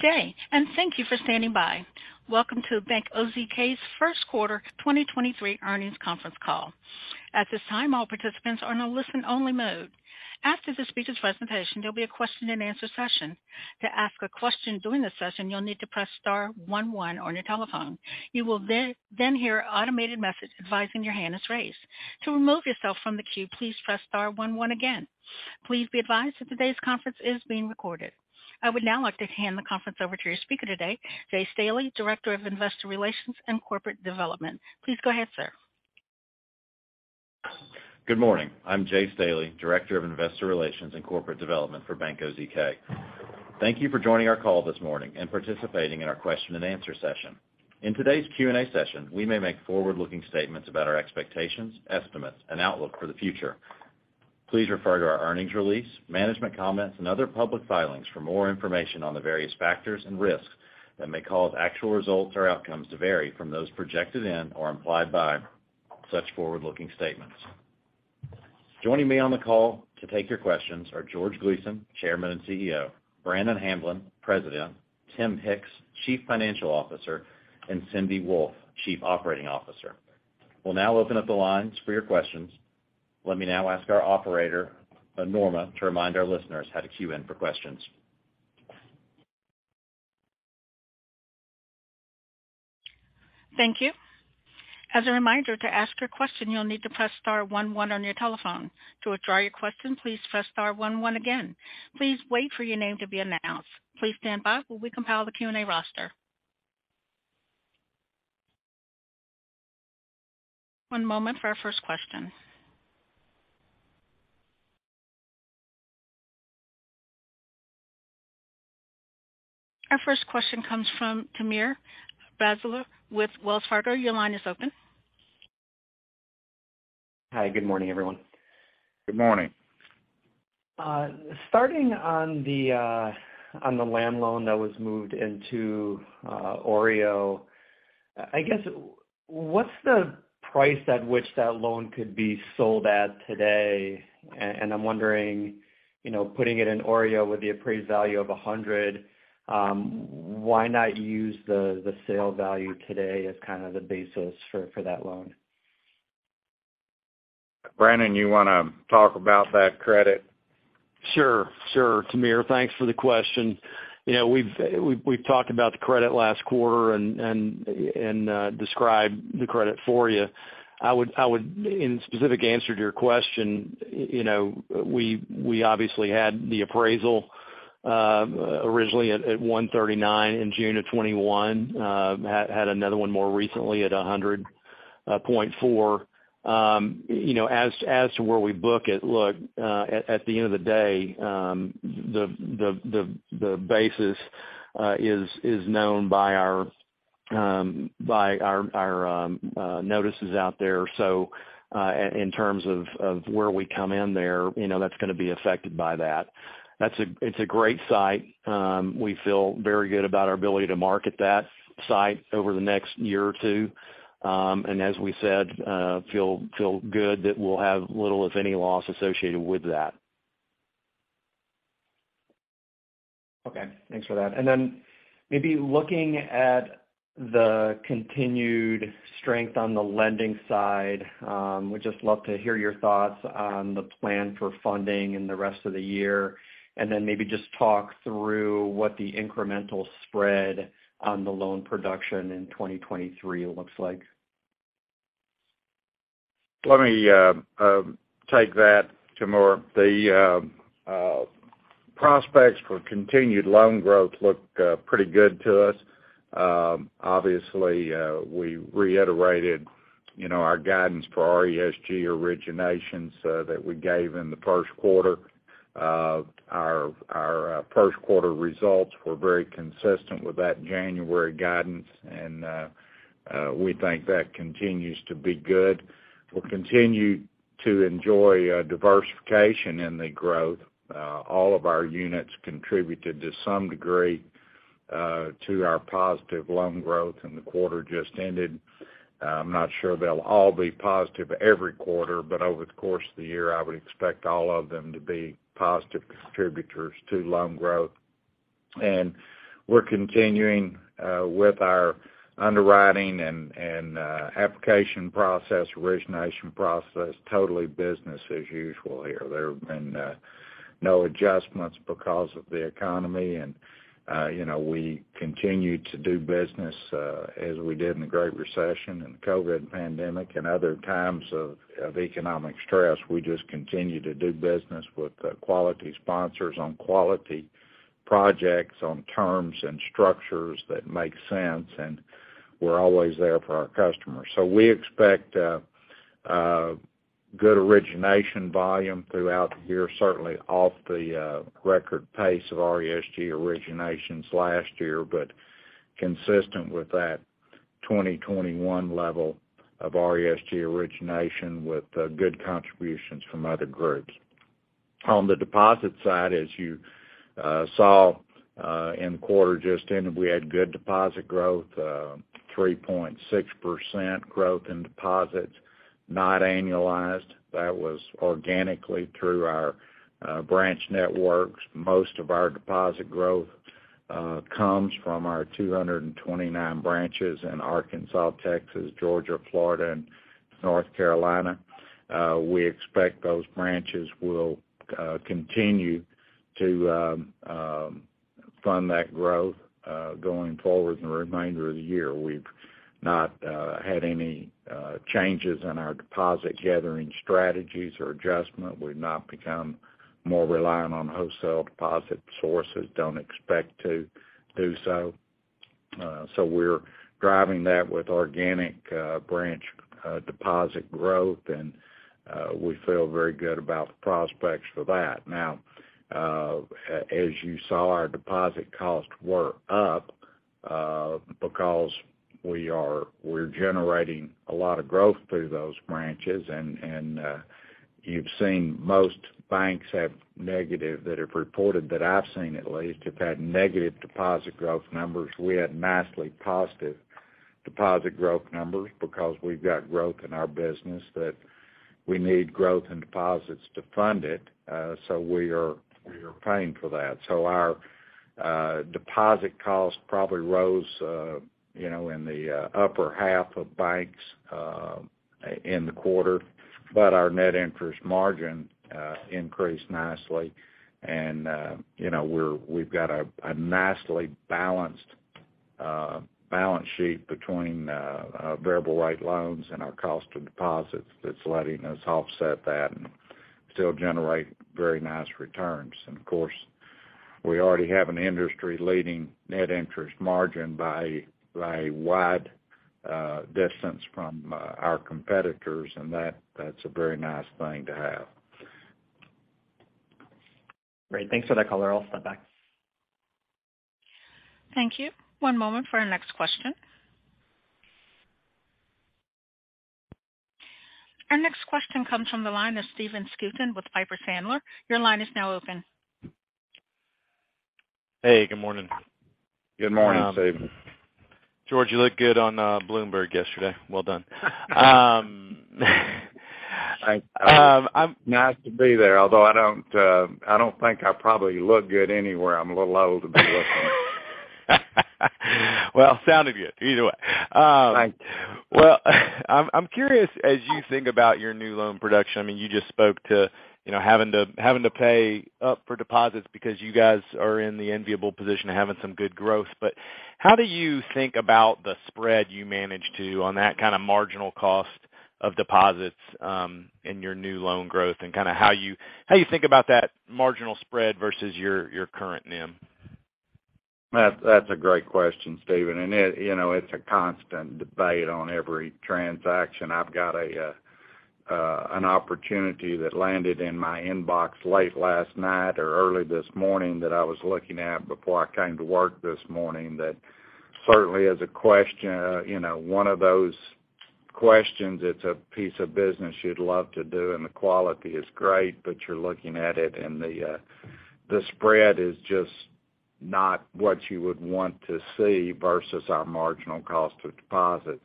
Today, thank you for standing by. Welcome to Bank OZK's Q1 2023 earnings conference call. At this time, all participants are in a listen-only mode. After the speaker's presentation, there'll be a question-and-answer session. To ask a question during the session, you'll need to press star one one on your telephone. You will then hear an automated message advising your hand is raised. To remove yourself from the queue, please press star one one again. Please be advised that today's conference is being recorded. I would now like to hand the conference over to your speaker today, Jay Staley, Director of Investor Relations and Corporate Development. Please go ahead, sir. Good morning. I'm Jay Staley, Director of Investor Relations and Corporate Development for Bank OZK. Thank you for joining our call this morning and participating in our question-and-answer session. In today's Q&A session, we may make forward-looking statements about our expectations, estimates, and outlook for the future. Please refer to our earnings release, management comments, and other public filings for more information on the various factors and risks that may cause actual results or outcomes to vary from those projected in or implied by such forward-looking statements. Joining me on the call to take your questions are George Gleason, Chairman and CEO, Brannon Hamblen, President, Tim Hicks, Chief Financial Officer, and Cindy Wolfe, Chief Operating Officer. We'll now open up the lines for your questions. Let me now ask our operator, Norma, to remind our listeners how to queue in for questions. Thank you. As a reminder, to ask your question, you'll need to press star one one on your telephone. To withdraw your question, please press star one one again. Please wait for your name to be announced. Please stand by while we compile the Q&A roster. One moment for our first question. Our first question comes from Timur Braziler with Wells Fargo. Your line is open. Hi, good morning, everyone. Good morning. Starting on the on the land loan that was moved into OREO, I guess, what's the price at which that loan could be sold at today? I'm wondering, you know, putting it in OREO with the appraised value of $100, why not use the sale value today as kind of the basis for that loan? Brannon, you wanna talk about that credit? Sure. Sure, Timur. Thanks for the question. You know, we've talked about the credit last quarter and described the credit for you. I would, in specific answer to your question, you know, we obviously had the appraisal originally at $139 in June 2021. Had another one more recently at $100.4. You know, as to where we book it, look, at the end of the day, the basis is known by our notices out there. In terms of where we come in there, you know, that's gonna be affected by that. It's a great site. We feel very good about our ability to market that site over the next year or two, and as we said, feel good that we'll have little, if any, loss associated with that. Okay. Thanks for that. Maybe looking at the continued strength on the lending side, would just love to hear your thoughts on the plan for funding in the rest of the year. Maybe just talk through what the incremental spread on the loan production in 2023 looks like. Let me take that, Timur Braziler. The prospects for continued loan growth look pretty good to us. Obviously, we reiterated, you know, our guidance for RESG originations that we gave in the Q1. Our Q1 results were very consistent with that January guidance, we think that continues to be good. We'll continue to enjoy diversification in the growth. All of our units contributed to some degree to our positive loan growth in the quarter just ended. I'm not sure they'll all be positive every quarter, but over the course of the year, I would expect all of them to be positive contributors to loan growth. We're continuing with our underwriting and application process, origination process, totally business as usual here. There have been no adjustments because of the economy and, you know, we continue to do business as we did in the Great Recession and the COVID pandemic and other times of economic stress. We just continue to do business with quality sponsors on quality projects on terms and structures that make sense, and we're always there for our customers. We expect good origination volume throughout the year, certainly off the record pace of RESG originations last year, but consistent with that 2021 level of RESG origination with good contributions from other groups. On the deposit side, as you saw in the quarter just ended, we had good deposit growth, 3.6% growth in deposits, not annualised. That was organically through our branch networks. Most of our deposit growth comes from our 229 branches in Arkansas, Texas, Georgia, Florida, and North Carolina. We expect those branches will continue to fund that growth going forward in the remainder of the year. We've not had any changes in our deposit gathering strategies or adjustment. We've not become more reliant on wholesale deposit sources, don't expect to do so. So we're driving that with organic branch deposit growth, and we feel very good about the prospects for that. Now, as you saw, our deposit costs were up because we're generating a lot of growth through those branches. You've seen most banks have negative that have reported, that I've seen at least, have had negative deposit growth numbers. We had nicely positive deposit growth numbers because we've got growth in our business that we need growth and deposits to fund it. We are paying for that. Our deposit costs probably rose, you know, in the upper half of banks in the quarter, but our net interest margin increased nicely. You know, we've got a nicely balanced balance sheet between variable rate loans and our cost of deposits that's letting us offset that and still generate very nice returns. Of course, we already have an industry-leading net interest margin by a wide distance from our competitors, and that's a very nice thing to have. Great. Thanks for that color. I'll step back. Thank you. One moment for our next question. Our next question comes from the line of Stephen Scouten with Piper Sandler. Your line is now open. Hey, good morning. Good morning, Stephen. George, you looked good on Bloomberg yesterday. Well done. Nice to be there. Although I don't, I don't think I probably look good anywhere. I'm a little old to be looking. Well, sounded good either way. Thank you. I'm curious, as you think about your new loan production, I mean, you just spoke to, you know, having to pay up for deposits because you guys are in the enviable position of having some good growth. How do you think about the spread you manage to on that kind of marginal cost of deposits, in your new loan growth and kind of how you think about that marginal spread versus your current NIM? That's a great question, Stephen. It, you know, it's a constant debate on every transaction. I've got an opportunity that landed in my inbox late last night or early this morning that I was looking at before I came to work this morning that certainly is a question, you know, one of those questions, it's a piece of business you'd love to do, and the quality is great, but you're looking at it and the spread is just not what you would want to see versus our marginal cost of deposit.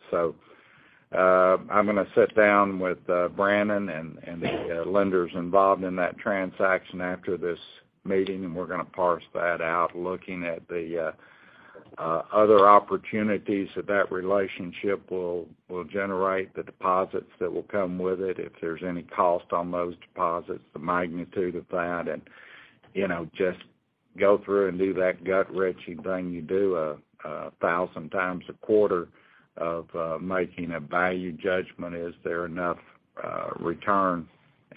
I'm gonna sit down with Brannon and the lenders involved in that transaction after this meeting, and we're gonna parse that out, looking at the other opportunities that that relationship will generate, the deposits that will come with it, if there's any cost on those deposits, the magnitude of that. You know, just go through and do that gut-wrenching thing you do a 1,000 times a quarter of making a value judgment. Is there enough return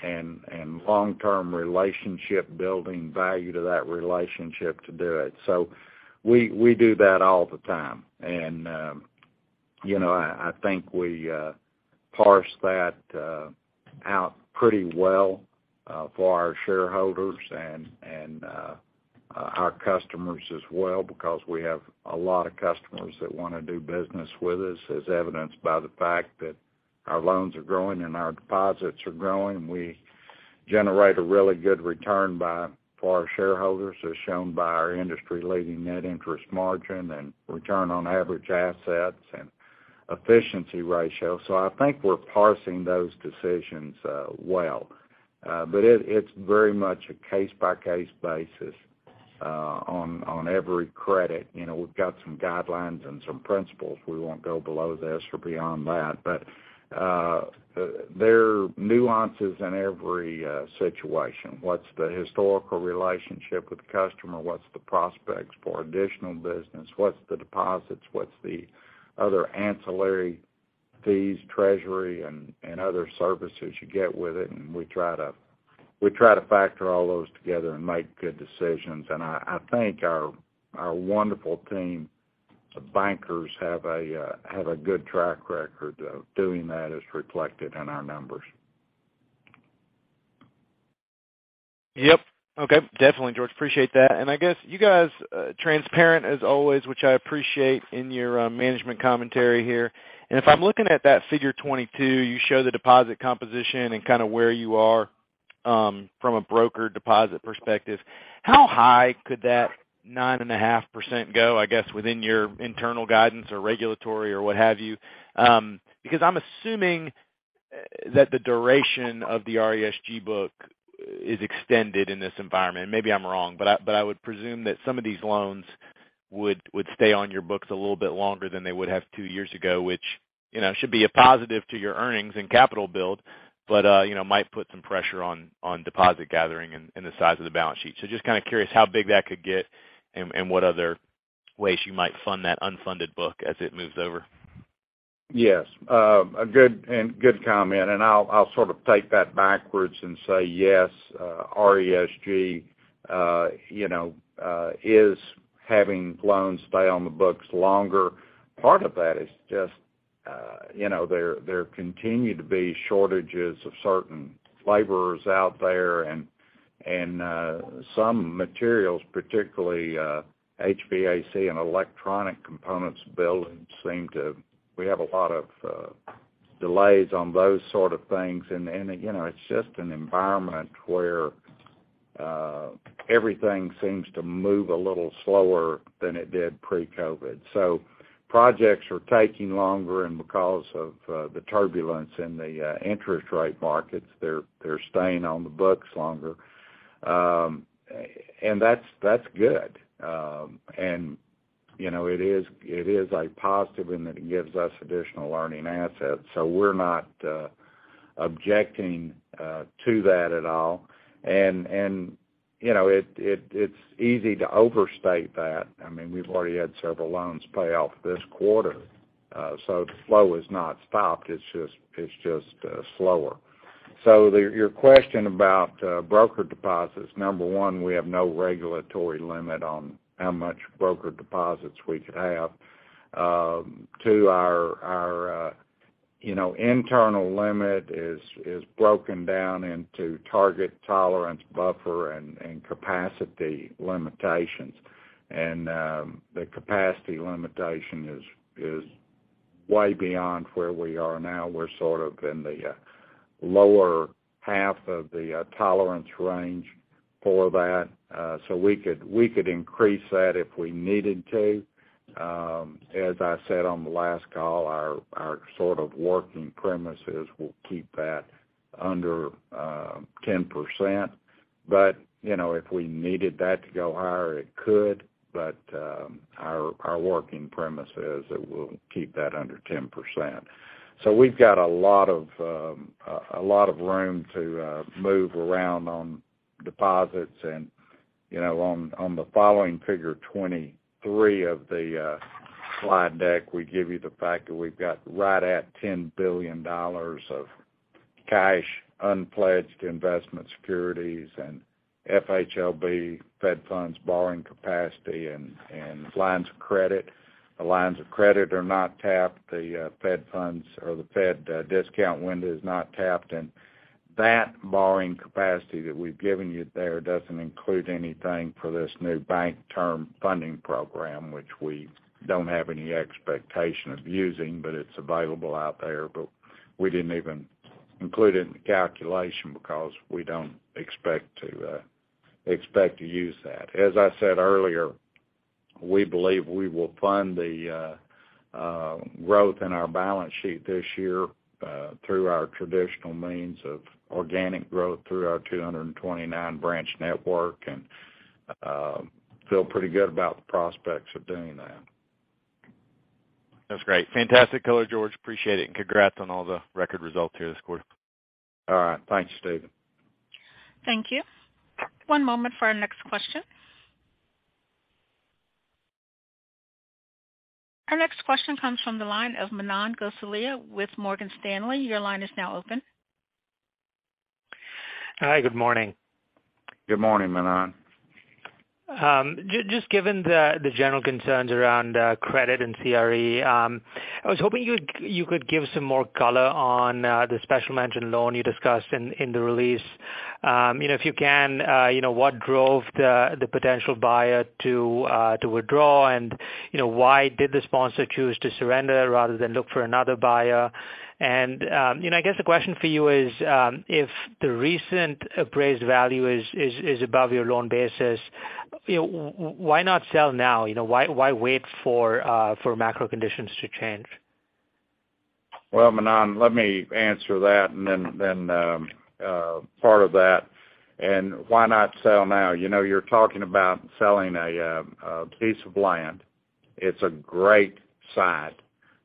and long-term relationship building value to that relationship to do it? We do that all the time. you know, I think we parse that out pretty well for our shareholders and our customers as well, because we have a lot of customers that wanna do business with us, as evidenced by the fact that our loans are growing and our deposits are growing. We generate a really good return for our shareholders, as shown by our industry-leading net interest margin and return on average assets and efficiency ratio. I think we're parsing those decisions well. It's very much a case-by-case basis on every credit. You know, we've got some guidelines and some principles. We won't go below this or beyond that. There are nuances in every situation. What's the historical relationship with the customer? What's the prospects for additional business? What's the deposits? What's the other ancillary fees, treasury and other services you get with it? We try to factor all those together and make good decisions. I think our wonderful team of bankers have a good track record of doing that, as reflected in our numbers. Yep. Okay. Definitely, George. Appreciate that. I guess you guys, transparent as always, which I appreciate in your management commentary here. If I'm looking at that figure 22, you show the deposit composition and kinda where you are from a broker deposit perspective. How high could that 9.5% go, I guess, within your internal guidance or regulatory or what have you? Because I'm assuming that the duration of the RESG book is extended in this environment. Maybe I'm wrong, but I would presume that some of these loans would stay on your books a little bit longer than they would have two years ago, which, you know, should be a positive to your earnings and capital build, but, you know, might put some pressure on deposit gathering and the size of the balance sheet. Just kind of curious how big that could get and what other ways you might fund that unfunded book as it moves over. Yes. A good and good comment, and I'll sort of take that backwards and say, yes, RESG, you know, is having loans stay on the books longer. Part of that is just, you know, there continue to be shortages of certain labourers out there and some materials, particularly, HVAC and electronic components. We have a lot of delays on those sort of things. You know, it's just an environment where everything seems to move a little slower than it did pre-COVID. Projects are taking longer, because of the turbulence in the interest rate markets, they're staying on the books longer. That's good. You know, it is a positive in that it gives us additional earning assets. We're not objecting to that at all. You know, it's easy to overstate that. I mean, we've already had several loans pay off this quarter. The flow has not stopped. It's just slower. Your question about broker deposits. Number one, we have no regulatory limit on how much broker deposits we could have. Two, our internal limit is broken down into target tolerance, buffer and capacity limitations. The capacity limitation is way beyond where we are now. We're sort of in the lower half of the tolerance range for that. We could increase that if we needed to. As I said on the last call, our sort of working premise is we'll keep that under 10%. You know, if we needed that to go higher, it could. Our working premise is that we'll keep that under 10%. We've got a lot of room to move around on deposits and, you know, on the following figure 23 of the slide deck, we give you the fact that we've got right at $10 billion of cash, un-pledged investment securities, and FHLB Fed Funds borrowing capacity and lines of credit. The lines of credit are not tapped. The Fed Funds or the Fed discount window is not tapped. That borrowing capacity that we've given you there doesn't include anything for this new Bank Term Funding Program, which we don't have any expectation of using, but it's available out there. We didn't even include it in the calculation because we don't expect to use that. As I said earlier, we believe we will fund the growth in our balance sheet this year through our traditional means of organic growth through our 229 branch network, and feel pretty good about the prospects of doing that. That's great. Fantastic color, George. Appreciate it, and congrats on all the record results here this quarter. All right. Thanks, Stephen. Thank you. One moment for our next question. Our next question comes from the line of Manan Gosalia with Morgan Stanley. Your line is now open. Hi, good morning. Good morning, Manan. just given the general concerns around credit and CRE, I was hoping you could give some more color on the special mention loan you discussed in the release. you know, if you can, you know, what drove the potential buyer to withdraw? you know, why did the sponsor choose to surrender rather than look for another buyer? you know, I guess the question for you is, if the recent appraised value is above your loan basis, you know, why not sell now? You know, why wait for macro conditions to change? Well, Manan, let me answer that and then, part of that. Why not sell now? You know, you're talking about selling a piece of land. It's a great site.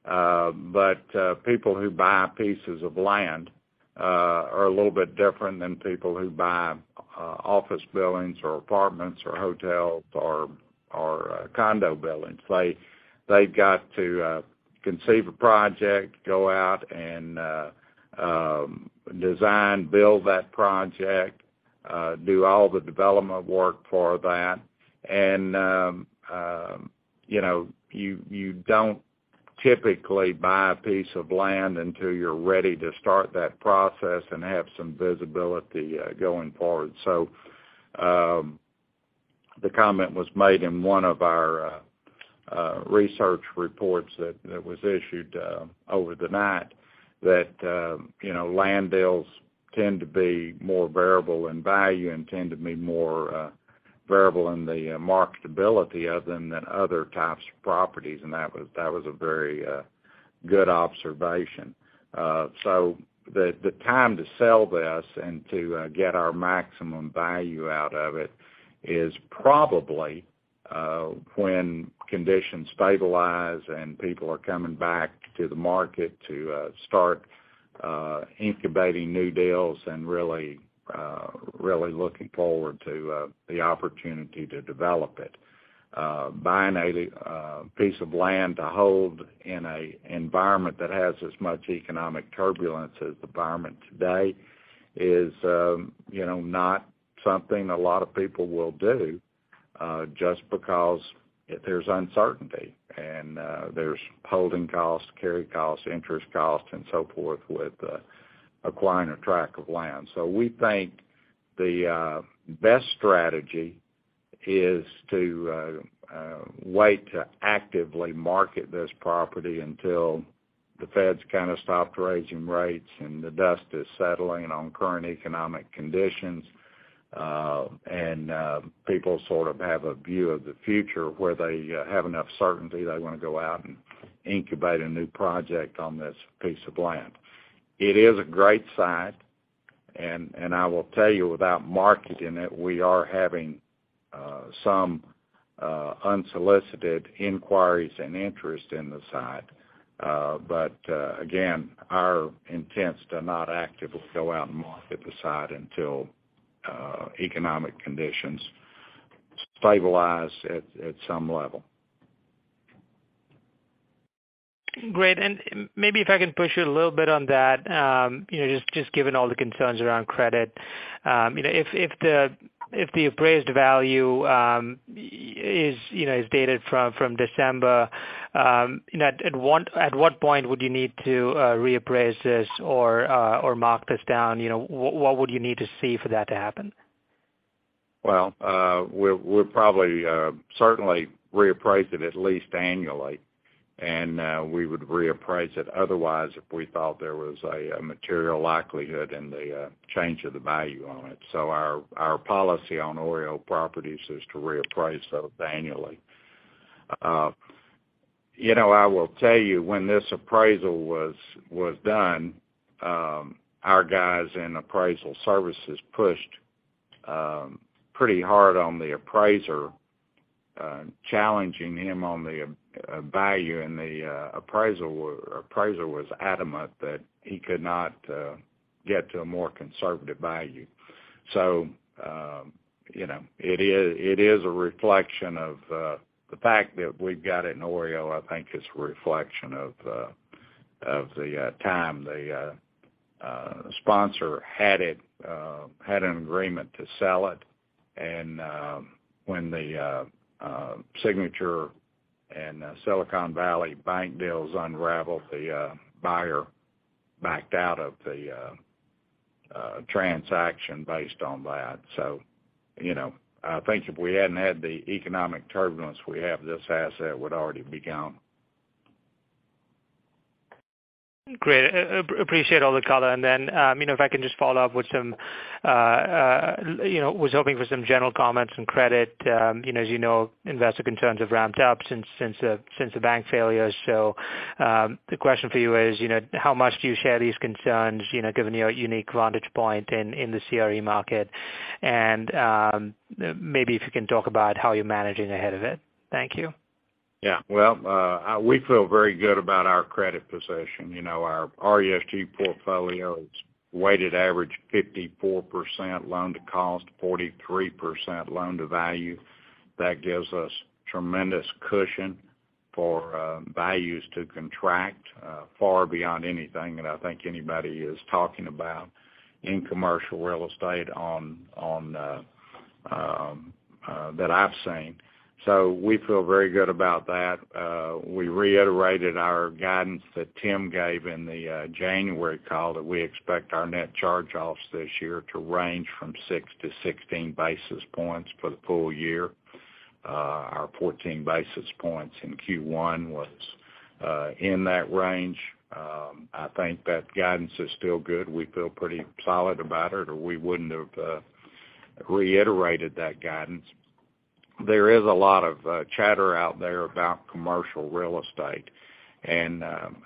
But people who buy pieces of land are a little bit different than people who buy office buildings or apartments or hotels or condo buildings. They've got to conceive a project, go out and design, build that project, do all the development work for that. You know, you don't typically buy a piece of land until you're ready to start that process and have some visibility going forward. The comment was made in one of our research reports that was issued over the night that, you know, land deals tend to be more variable in value and tend to be more variable in the marketability other than other types of properties. That was a very Good observation. The time to sell this and to get our maximum value out of it is probably when conditions stabilise and people are coming back to the market to start incubating new deals and really looking forward to the opportunity to develop it. Buying a piece of land to hold in a environment that has as much economic turbulence as the environment today is, you know, not something a lot of people will do just because there's uncertainty. There's holding costs, carry costs, interest costs and so forth with acquiring a tract of land. We think the best strategy is to wait to actively market this property until the Feds kind of stopped raising rates and the dust is settling on current economic conditions, and people sort of have a view of the future where they have enough certainty they wanna go out and incubate a new project on this piece of land. It is a great site, and I will tell you without marketing it, we are having some unsolicited inquiries and interest in the site. Again, our intent's to not actively go out and market the site until economic conditions stabilise at some level. Great. Maybe if I can push you a little bit on that, you know, just given all the concerns around credit. You know, if the appraised value, is, you know, is dated from December, at what point would you need to reappraise this or mark this down? You know, what would you need to see for that to happen? Well, we're probably certainly reappraise it at least annually. We would reappraise it otherwise if we thought there was a material likelihood in the change of the value on it. Our policy on OREO properties is to reappraise those annually. You know, I will tell you, when this appraisal was done, our guys in appraisal services pushed pretty hard on the appraiser, challenging him on the value, and the appraiser was adamant that he could not get to a more conservative value. You know, it is a reflection of the fact that we've got it in OREO, I think is a reflection of the time the sponsor had it had an agreement to sell it. When the Signature Bank and Silicon Valley Bank deals unraveled, the buyer backed out of the transaction based on that. You know, I think if we hadn't had the economic turbulence we have, this asset would already be gone. Great. Appreciate all the color. you know, if I can just follow up with some, you know, was hoping for some general comments on credit. you know, as you know, investor concerns have ramped up since the bank failures. The question for you is, you know, how much do you share these concerns, you know, given your unique vantage point in the CRE market? Maybe if you can talk about how you're managing ahead of it. Thank you. Well, we feel very good about our credit position. You know, our RESG portfolio, its weighted average 54% loan to cost, 43% loan to value. That gives us tremendous cushion for values to contract far beyond anything that I think anybody is talking about in commercial real estate on that I've seen. We feel very good about that. We reiterated our guidance that Tim gave in the January call that we expect our net charge-offs this year to range from 6-16 basis points for the full year. Our 14 basis points in Q1 was in that range. I think that guidance is still good. We feel pretty solid about it, or we wouldn't have reiterated that guidance. There is a lot of chatter out there about commercial real estate.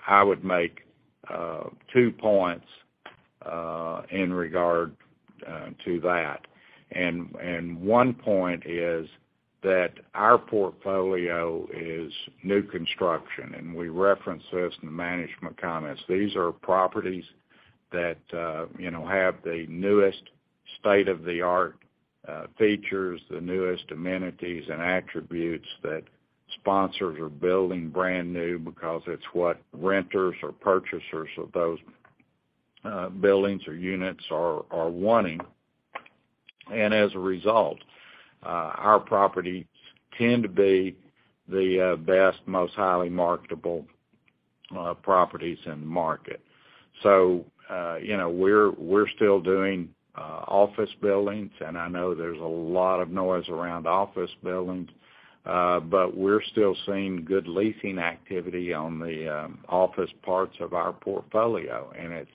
I would make 2 points in regard to that. 1 point is that our portfolio is new construction, and we reference this in the management comments. These are properties that, you know, have the newest state-of-the-art features, the newest amenities and attributes that sponsors are building brand new because it's what renters or purchasers of those buildings or units are wanting. As a result, our properties tend to be the best, most highly marketable properties in the market. You know, we're still doing office buildings, and I know there's a lot of noise around office buildings. We're still seeing good leasing activity on the office parts of our portfolio, and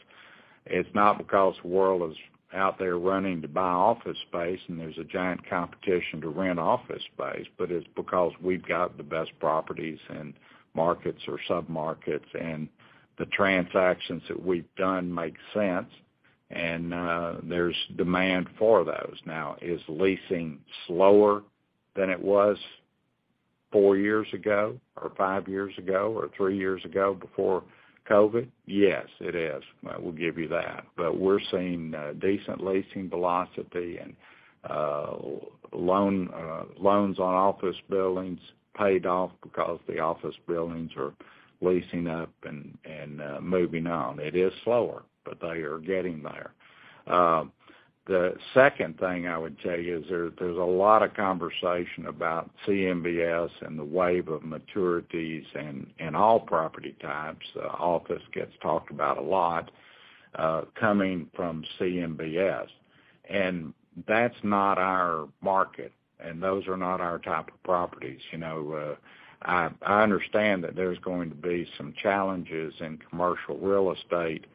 It's not because the world is out there running to buy office space, and there's a giant competition to rent office space, but it's because we've got the best properties and markets or submarkets, and the transactions that we've done make sense, and there's demand for those. Is leasing slower than it was 4 years ago or 5 years ago or 3 years ago before COVID? Yes, it is. I will give you that. We're seeing decent leasing velocity and loan, loans on office buildings paid off because the office buildings are leasing up and moving on. It is slower, but they are getting there. The second thing I would tell you is there's a lot of conversation about CMBS and the wave of maturities in all property types, office gets talked about a lot, coming from CMBS. That's not our market, and those are not our type of properties. You know, I understand that there's going to be some challenges in commercial real estate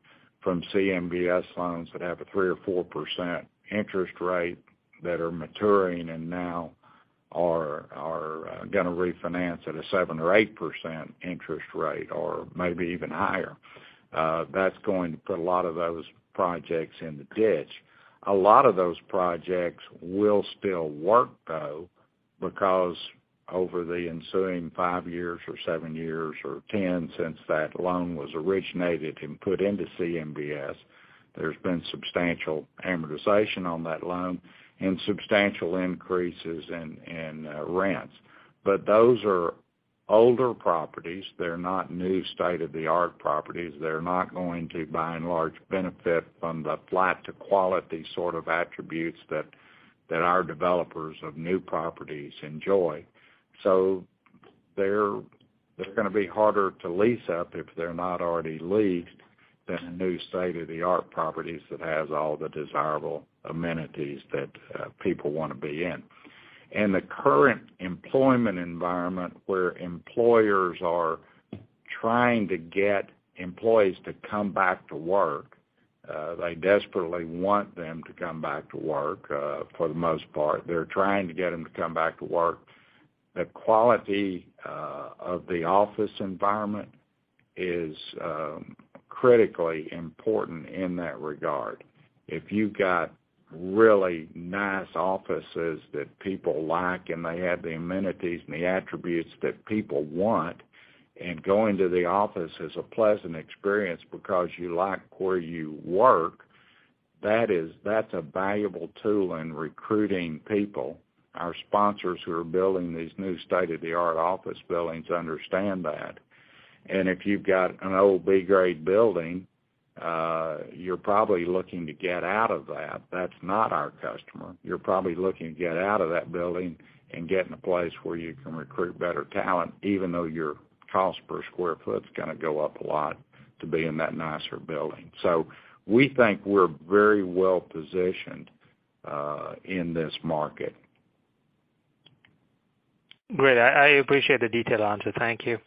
from CMBS loans that have a 3% or 4% interest rate that are maturing and now are gonna refinance at a 7% or 8% interest rate or maybe even higher. That's going to put a lot of those projects in the ditch. A lot of those projects will still work, though, because over the ensuing five years or seven years or 10 since that loan was originated and put into CMBS, there's been substantial amortisation on that loan and substantial increases in rents. Those are older properties. They're not new state-of-the-art properties. They're not going to, by and large, benefit from the flight to quality sort of attributes that our developers of new properties enjoy. They're gonna be harder to lease up if they're not already leased than a new state-of-the-art properties that has all the desirable amenities that people wanna be in. In the current employment environment, where employers are trying to get employees to come back to work, they desperately want them to come back to work, for the most part. They're trying to get them to come back to work. The quality of the office environment is critically important in that regard. If you've got really nice offices that people like, and they have the amenities and the attributes that people want, and going to the office is a pleasant experience because you like where you work, that's a valuable tool in recruiting people. Our sponsors who are building these new state-of-the-art office buildings understand that. If you've got an old B-grade building, you're probably looking to get out of that. That's not our customer. You're probably looking to get out of that building and get in a place where you can recruit better talent, even though your cost per square foot is gonna go up a lot to be in that nicer building. We think we're very well positioned in this market. Great. I appreciate the detailed answer. Thank you.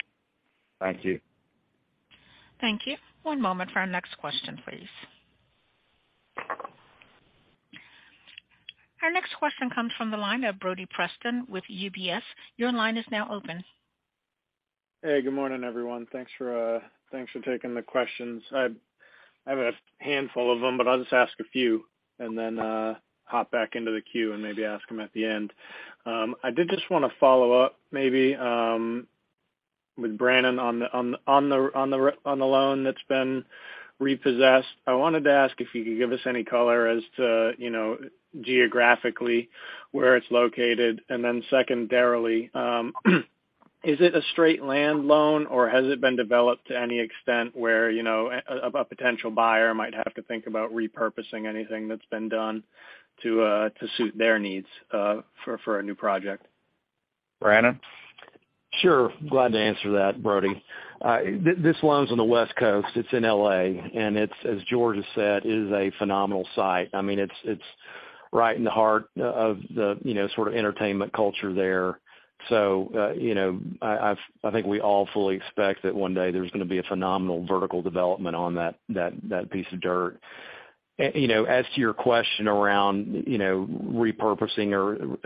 Thank you. Thank you. One moment for our next question, please. Our next question comes from the line of Brody Preston with UBS. Your line is now open. Hey, good morning, everyone. Thanks for, thanks for taking the questions. I have a handful of them, but I'll just ask a few and then hop back into the queue and maybe ask them at the end. I did just wanna follow up maybe with Brannon on the loan that's been repossessed. I wanted to ask if you could give us any color as to, you know, geographically where it's located. Secondarily, is it a straight land loan, or has it been developed to any extent where, you know, a potential buyer might have to think about repurposing anything that's been done to suit their needs for a new project? Brannon? Sure. Glad to answer that, Brody. This loan's on the West Coast. It's in L.A. It's, as George has said, it is a phenomenal site. I mean, it's right in the heart of the, you know, sort of entertainment culture there. You know, I think we all fully expect that one day there's gonna be a phenomenal vertical development on that piece of dirt. You know, as to your question around, you know, repurposing or,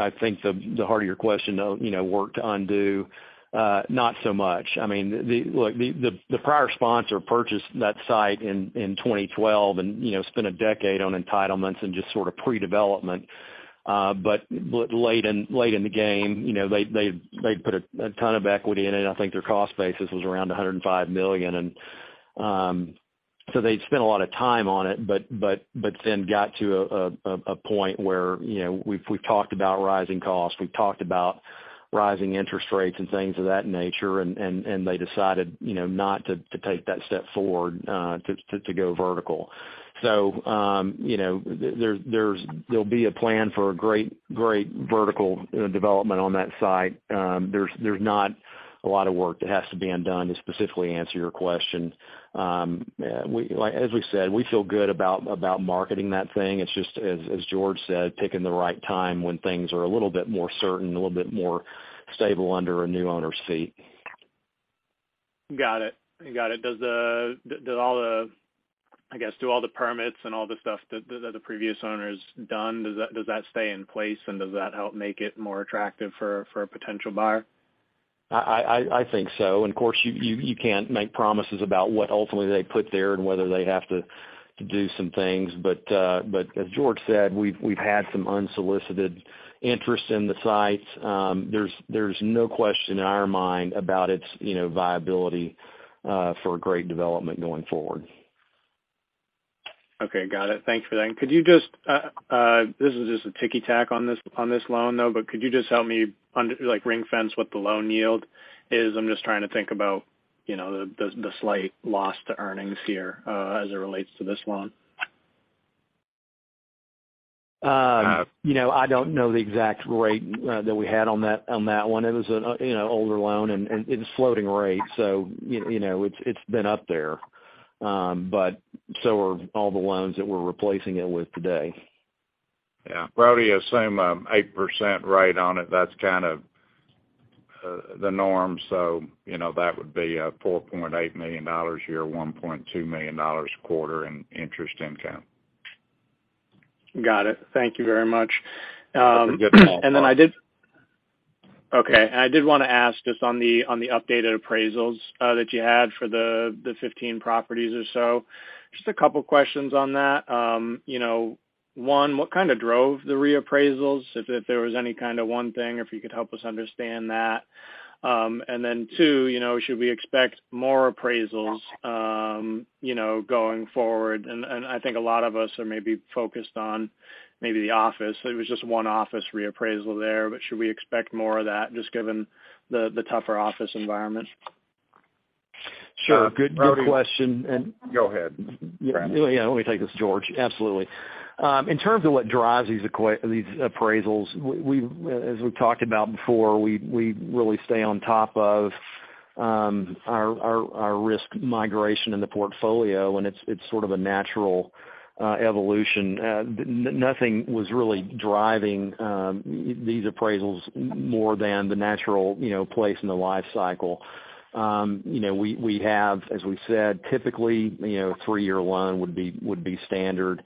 I think the heart of your question, though, you know, work to undo, not so much. I mean, Look, the prior sponsor purchased that site in 2012 and, you know, spent a decade on entitlements and just sort of pre-development. Late in, late in the game, you know, they put a ton of equity in it. I think their cost basis was around $105 million. They'd spent a lot of time on it, but then got to a point where, you know, we've talked about rising costs. We've talked about rising interest rates and things of that nature, and they decided, you know, not to take that step forward to go vertical. You know, there'll be a plan for a great vertical, you know, development on that site. There's not a lot of work that has to be undone to specifically answer your question. Like as we said, we feel good about marketing that thing. It's just, as George said, picking the right time when things are a little bit more certain, a little bit more stable under a new owner's feet. Got it. Got it. Did all the I guess, do all the permits and all the stuff that the previous owner has done, does that stay in place, and does that help make it more attractive for a potential buyer? I think so. Of course, you can't make promises about what ultimately they put there and whether they have to do some things. As George said, we've had some unsolicited interest in the sites. There's no question in our mind about its, you know, viability for great development going forward. Okay, got it. Thanks for that. could you just, this is just a ticky-tack on this loan, though, but could you just help me like ring fence what the loan yield is? I'm just trying to think about, you know, the slight loss to earnings here, as it relates to this loan. You know, I don't know the exact rate that we had on that, on that one. It was, you know, older loan and it's floating rate. You know, it's been up there. So are all the loans that we're replacing it with today. Yeah. Brody, assume 8% rate on it. That's kind of the norm. You know, that would be $4.8 million a year, $1.2 million a quarter in interest income. Got it. Thank you very much. That's a good call. I did want to ask just on the, on the updated appraisals that you had for the 15 properties or so, just a couple of questions on that. You know, one, what kind of drove the reappraisals if there was any kind of one thing, if you could help us understand that. Two, you know, should we expect more appraisals, you know, going forward? I think a lot of us are maybe focused on maybe the office. It was just one office reappraisal there. Should we expect more of that just given the tougher office environment? Sure. Good question. Brody. Go ahead. Yeah, let me take this, George. Absolutely. In terms of what drives these appraisals, we've, as we've talked about before, we really stay on top of our risk migration in the portfolio, and it's sort of a natural evolution. Nothing was really driving these appraisals more than the natural, you know, place in the life cycle. You know, we have, as we've said, typically, you know, 3-year loan would be standard.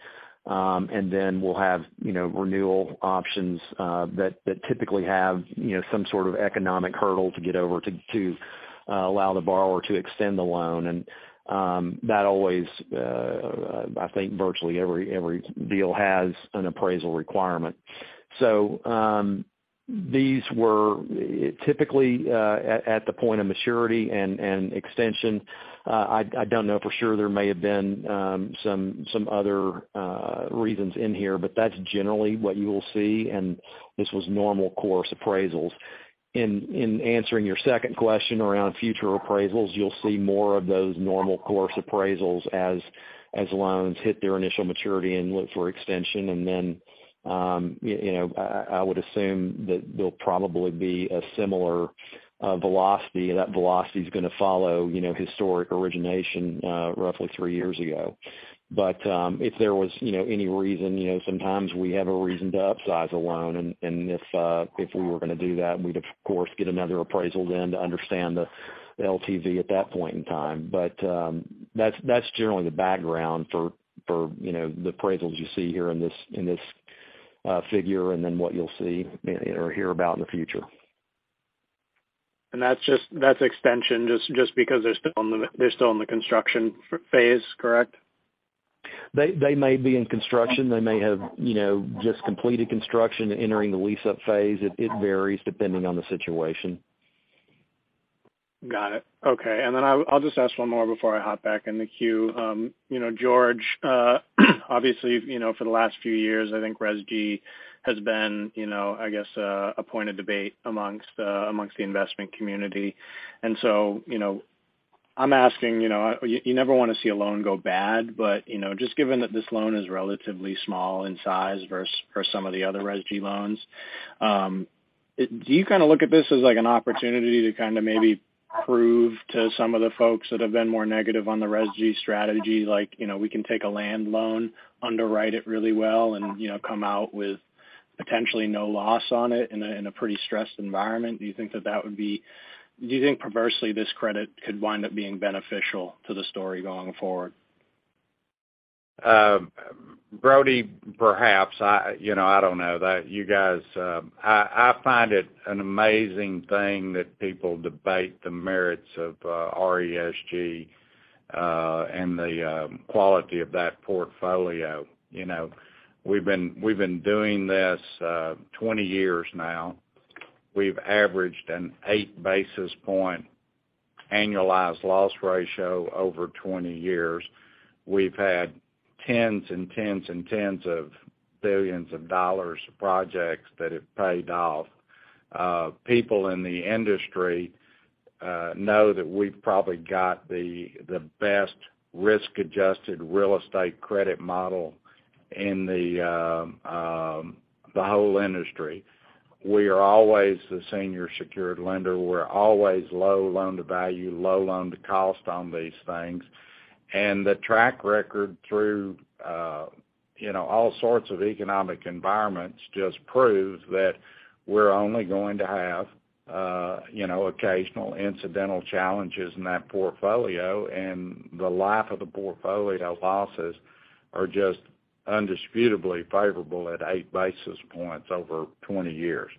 Then we'll have, you know, renewal options that typically have, you know, some sort of economic hurdle to get over to allow the borrower to extend the loan. That always, I think virtually every deal has an appraisal requirement. These were, typically, at the point of maturity and extension. I don't know for sure there may have been some other reasons in here, but that's generally what you'll see, and this was normal course appraisals. In answering your second question around future appraisals, you'll see more of those normal course appraisals as loans hit their initial maturity and look for extension. Then, you know, I would assume that they'll probably be a similar velocity. That velocity is gonna follow, you know, historic origination, roughly three years ago. If there was, you know, any reason, you know, sometimes we have a reason to upsize a loan. If we were gonna do that, we'd of course, get another appraisal then to understand the LTV at that point in time. That's generally the background for, you know, the appraisals you see here in this figure and then what you'll see or hear about in the future. That's extension just because they're still in the construction phase, correct? They may be in construction. They may have, you know, just completed construction, entering the lease-up phase. It varies depending on the situation. Got it. Okay. I'll just ask one more before I hop back in the queue. you know, George, obviously, you know, for the last few years, I think RESG has been, you know, I guess, a point of debate amongst the investment community. you know, I'm asking, you know, you never wanna see a loan go bad, you know, just given that this loan is relatively small in size versus some of the other RESG loans, do you kinda look at this as like an opportunity to kind of maybe prove to some of the folks that have been more negative on the RESG strategy, like, you know, we can take a land loan, underwrite it really well, and, you know, come out with potentially no loss on it in a, in a pretty stressed environment? Do you think perversely, this credit could wind up being beneficial to the story going forward? Brody, perhaps. I, you know, I don't know. That you guys, I find it an amazing thing that people debate the merits of RESG and the quality of that portfolio. You know, we've been doing this 20 years now. We've averaged an 8 basis point annualised loss ratio over 20 years. We've had tens and tens and tens of billions of dollars of projects that have paid off. People in the industry know that we've probably got the best risk-adjusted real estate credit model in the whole industry. We are always the senior secured lender. We're always low loan-to-value, low loan-to-cost on these things. The track record through, You know, all sorts of economic environments just prove that we're only going to have, you know, occasional incidental challenges in that portfolio, and the life of the portfolio losses are just indisputably favourable at 8 basis points over 20 years.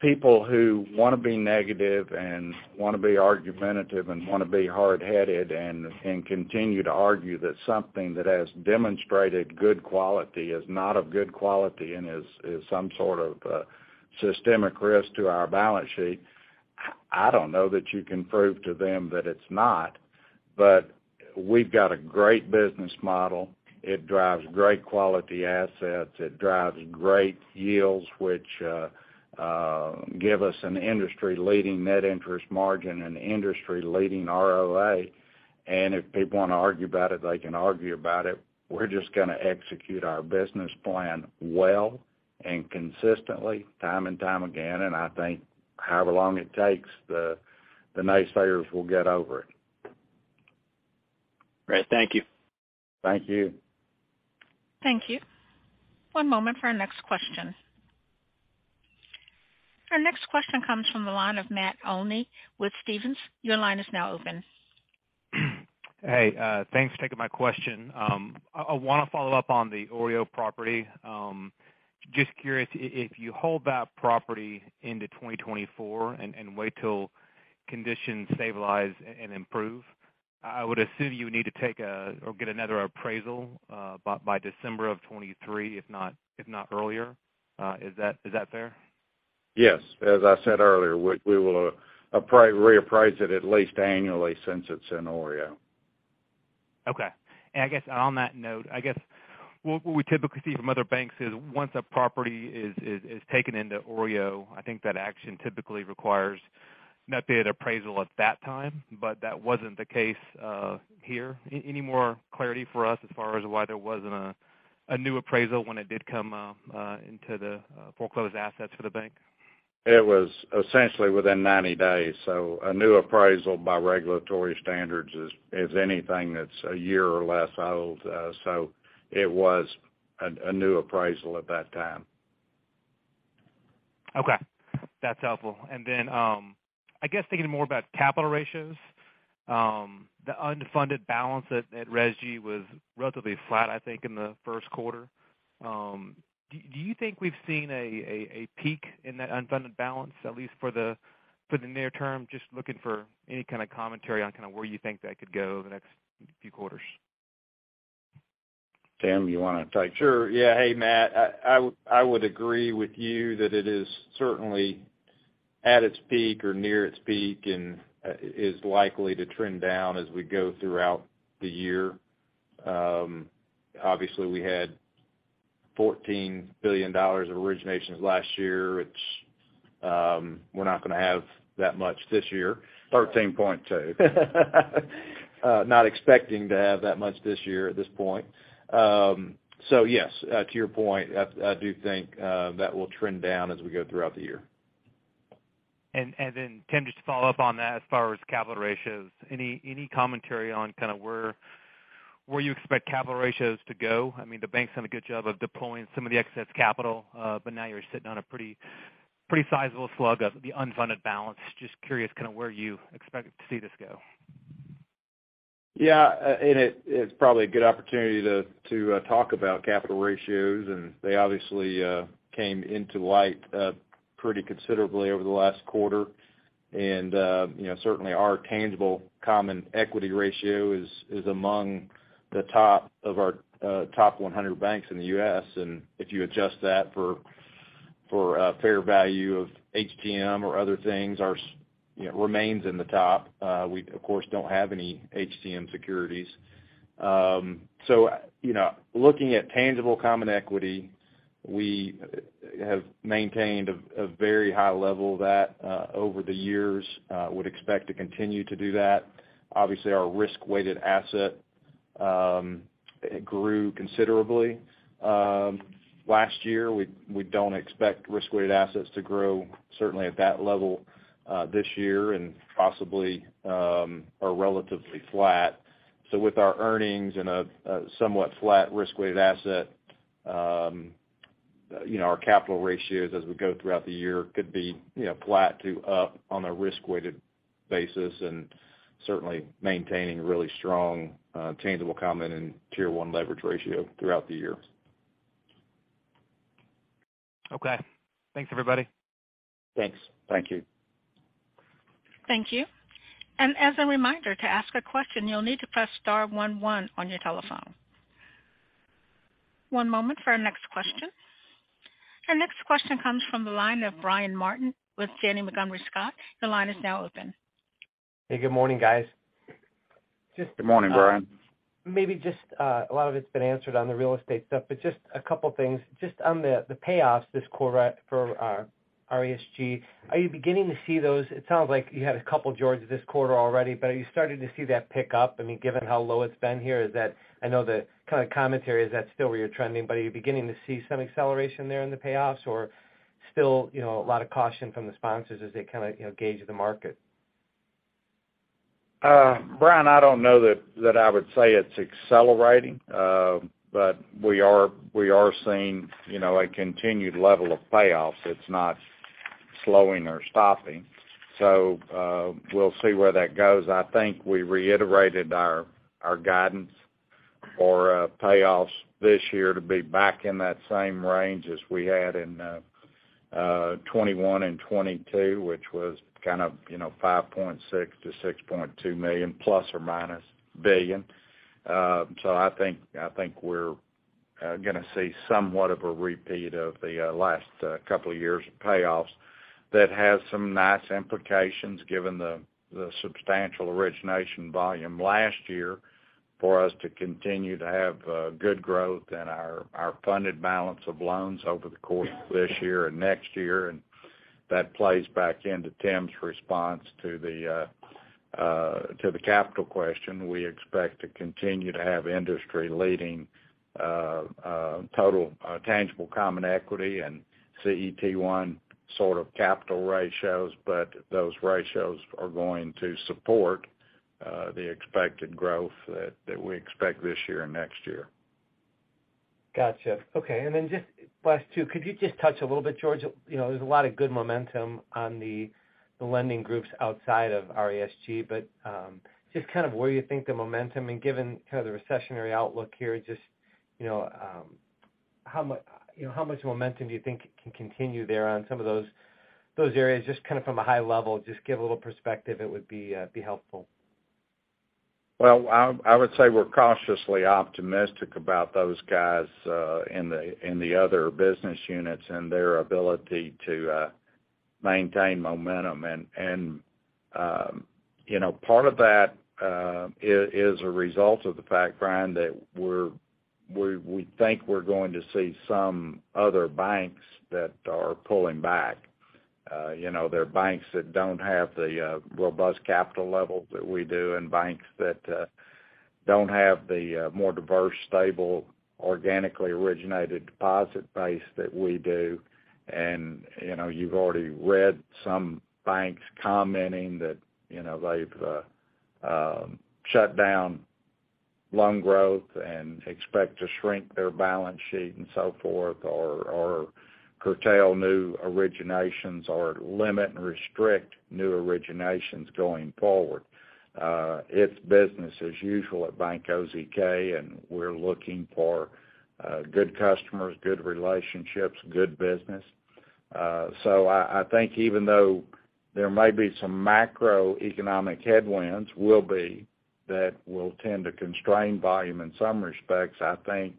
People who wanna be negative and wanna be argumentative and wanna be hard-headed and continue to argue that something that has demonstrated good quality is not of good quality and is some sort of systemic risk to our balance sheet, I don't know that you can prove to them that it's not. We've got a great business model. It drives great quality assets. It drives great yields, which give us an industry-leading net interest margin and industry-leading ROA. If people wanna argue about it, they can argue about it. We're just gonna execute our business plan well and consistently time and time again. I think however long it takes, the naysayers will get over it. Great. Thank you. Thank you. Thank you. One moment for our next question. Our next question comes from the line of Matt Olney with Stephens. Your line is now open. Hey, thanks for taking my question. I wanna follow up on the OREO property. Just curious, if you hold that property into 2024 and wait till conditions stabilise and improve, I would assume you would need to take or get another appraisal by December of 2023, if not earlier. Is that fair? Yes. As I said earlier, we will reappraise it at least annually since it's in OREO. Okay. I guess on that note, I guess what we typically see from other banks is once a property is taken into OREO, I think that action typically requires an updated appraisal at that time, but that wasn't the case here. Any more clarity for us as far as why there wasn't a new appraisal when it did come into the foreclosed assets for the Bank? It was essentially within 90 days. A new appraisal by regulatory standards is anything that's 1 year or less old. It was a new appraisal at that time. Okay. That's helpful. I guess thinking more about capital ratios, the unfunded balance at RESG was relatively flat, I think, in the Q1. Do you think we've seen a peak in that unfunded balance, at least for the near term? Just looking for any kind of commentary on kind of where you think that could go over the next few quarters. Tim, you wanna take- Sure. Yeah. Hey, Matt, I would agree with you that it is certainly at its peak or near its peak and is likely to trend down as we go throughout the year. Obviously we had $14 billion of originations last year, which we're not gonna have that much this year. Thirteen-point-two. Not expecting to have that much this year at this point. Yes, to your point, I do think that will trend down as we go throughout the year. Tim, just to follow up on that as far as capital ratios, any commentary on kind of where you expect capital ratios to go? I mean, the bank's done a good job of deploying some of the excess capital, but now you're sitting on a pretty sizeable slug of the unfunded balance. Just curious kind of where you expect to see this go. Yeah. It, it's probably a good opportunity to talk about capital ratios, and they obviously came into light pretty considerably over the last quarter. You know, certainly our tangible common equity ratio is among the top of our top 100 banks in the U.S. If you adjust that for fair value of HTM or other things, our, you know, remains in the top. We of course, don't have any HTM securities. You know, looking at tangible common equity, we have maintained a very high level of that over the years, would expect to continue to do that. Obviously, our risk-weighted asset grew considerably last year. We don't expect risk-weighted assets to grow certainly at that level this year and possibly are relatively flat. With our earnings and a somewhat flat risk-weighted asset, you know, our capital ratios as we go throughout the year could be, you know, flat to up on a risk-weighted basis, and certainly maintaining really strong Tangible Common and Tier 1 leverage ratio throughout the year. Okay. Thanks, everybody. Thanks. Thank you. Thank you. As a reminder, to ask a question, you'll need to press star one one on your telephone. One moment for our next question. Our next question comes from the line of Brian Martin with Janney Montgomery Scott. The line is now open. Hey, good morning, guys. Good morning, Brian. Maybe just, a lot of it's been answered on the real estate stuff, but just a couple things. Just on the payoffs this quarter for RESG, are you beginning to see those? It sounds like you had a couple, George, this quarter already, but are you starting to see that pick up? I mean, given how low it's been here, I know the kind of commentary, is that still where you're trending, but are you beginning to see some acceleration there in the payoffs, or still, you know, a lot of caution from the sponsors as they kind of, you know, gauge the market. Brian, I don't know that I would say it's accelerating. We are seeing, you know, a continued level of payoffs. It's not slowing or stopping. We'll see where that goes. I think we reiterated our guidance for payoffs this year to be back in that same range as we had in 2021 and 2022, which was kind of, you know, $5.6 million to $6.2 million plus or minus billion. I think we're gonna see somewhat of a repeat of the last couple of years of payoffs that has some nice implications given the substantial origination volume last year for us to continue to have good growth in our funded balance of loans over the course of this year and next year. That plays back into Tim's response to the capital question. We expect to continue to have industry-leading total Tangible Common Equity and CET1 sort of capital ratios. Those ratios are going to support the expected growth that we expect this year and next year. Gotcha. Okay. Just last two. Could you just touch a little bit, George, you know, there's a lot of good momentum on the lending groups outside of RESG, but just kind of where you think the momentum and given kind of the recessionary outlook here, just, you know, how much momentum do you think can continue there on some of those areas? Just kind of from a high level, just give a little perspective, it would be helpful? Well, I would say we're cautiously optimistic about those guys in the other business units and their ability to maintain momentum. You know, part of that is a result of the fact, Brian, that we think we're going to see some other banks that are pulling back. You know, they're banks that don't have the robust capital level that we do and banks that don't have the more diverse, stable, organically originated deposit base that we do. You know, you've already read some banks commenting that, you know, they've shut down loan growth and expect to shrink their balance sheet and so forth, or curtail new originations or limit and restrict new originations going forward. It's business as usual at Bank OZK, and we're looking for good customers, good relationships, good business. I think even though there may be some macroeconomic headwinds, that will tend to constrain volume in some respects. I think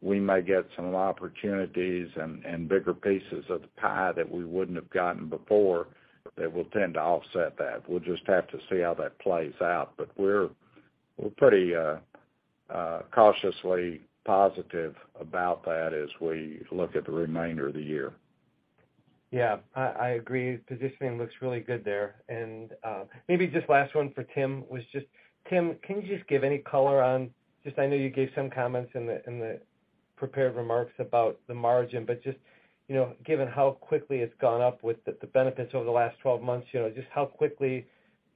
we may get some opportunities and bigger pieces of the pie that we wouldn't have gotten before that will tend to offset that. We'll just have to see how that plays out. We're pretty cautiously positive about that as we look at the remainder of the year. Yeah. I agree. Positioning looks really good there. Maybe just last one for Tim was just, Tim, can you just give any color on just I know you gave some comments in the, in the prepared remarks about the margin, but just, you know, given how quickly it's gone up with the benefits over the last 12 months, you know, just how quickly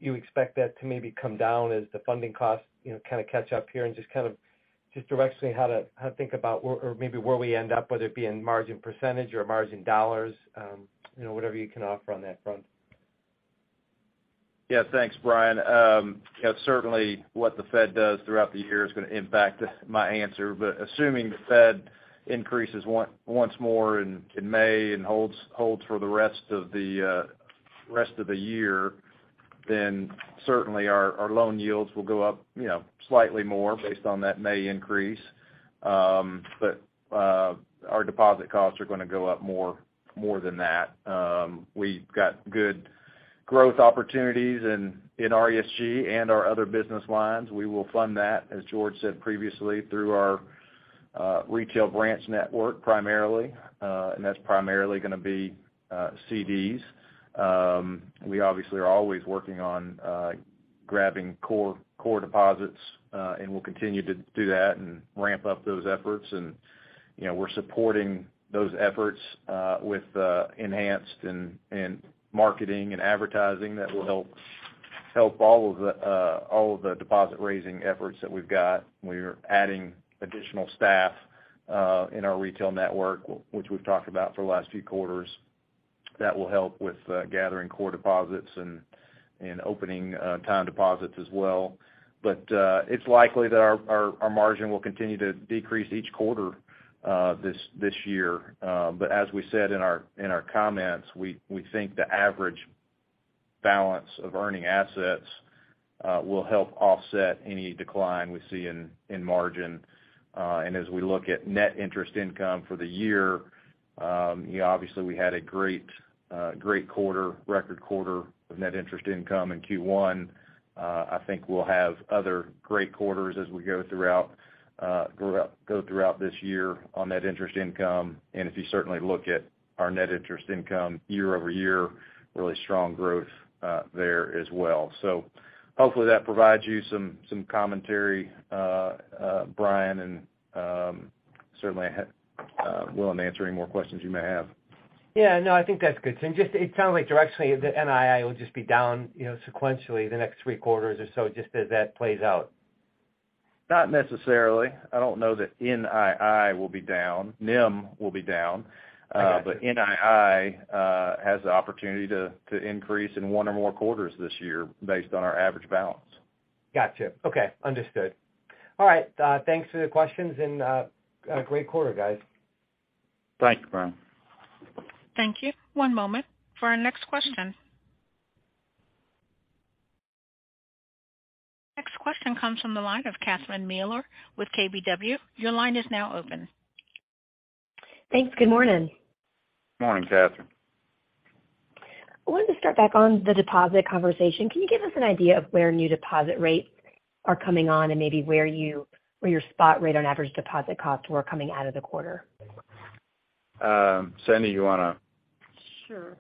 you expect that to maybe come down as the funding costs, you know, kind of catch up here. Just kind of just directionally how to, how to think about where or maybe where we end up, whether it be in margin % or margin dollars, you know, whatever you can offer on that front. Yeah. Thanks, Brian. You know, certainly what the Fed does throughout the year is gonna impact my answer. Assuming the Fed increases once more in May and holds for the rest of the year, then certainly our loan yields will go up, you know, slightly more based on that May increase. Our deposit costs are gonna go up more than that. We've got good growth opportunities in RESG and our other business lines. We will fund that, as George said previously, through our retail branch network primarily. That's primarily gonna be CDs. We obviously are always working on grabbing core deposits, and we'll continue to do that and ramp up those efforts. You know, we're supporting those efforts with enhanced marketing and advertising that will help all of the deposit-raising efforts that we've got. We're adding additional staff in our retail network, which we've talked about for the last few quarters. That will help with gathering core deposits and opening time deposits as well. It's likely that our margin will continue to decrease each quarter this year. As we said in our comments, we think the average balance of earning assets will help offset any decline we see in margin. As we look at net interest income for the year, you know, obviously we had a great quarter, record quarter of net interest income in Q1. I think we'll have other great quarters as we go throughout this year on net interest income. If you certainly look at our net interest income year-over-year, really strong growth there as well. Hopefully that provides you some commentary, Brian, and certainly willing to answer any more questions you may have. Yeah. No, I think that's good. Just it sounds like directionally, the NII will just be down, you know, sequentially the next 3 quarters or so just as that plays out. Not necessarily. I don't know that NII will be down. NIM will be down. NII has the opportunity to increase in one or more quarters this year based on our average balance. Got you. Okay. Understood. All right. thanks for the questions and, great quarter, guys. Thanks, Brian. Thank you. One moment for our next question. Next question comes from the line of Catherine Mealor with KBW. Your line is now open. Thanks. Good morning. Morning, Catherine. I wanted to start back on the deposit conversation. Can you give us an idea of where new deposit rates are coming on and maybe where your spot rate on average deposit costs were coming out of the quarter? Cindy, you wanna? Sure.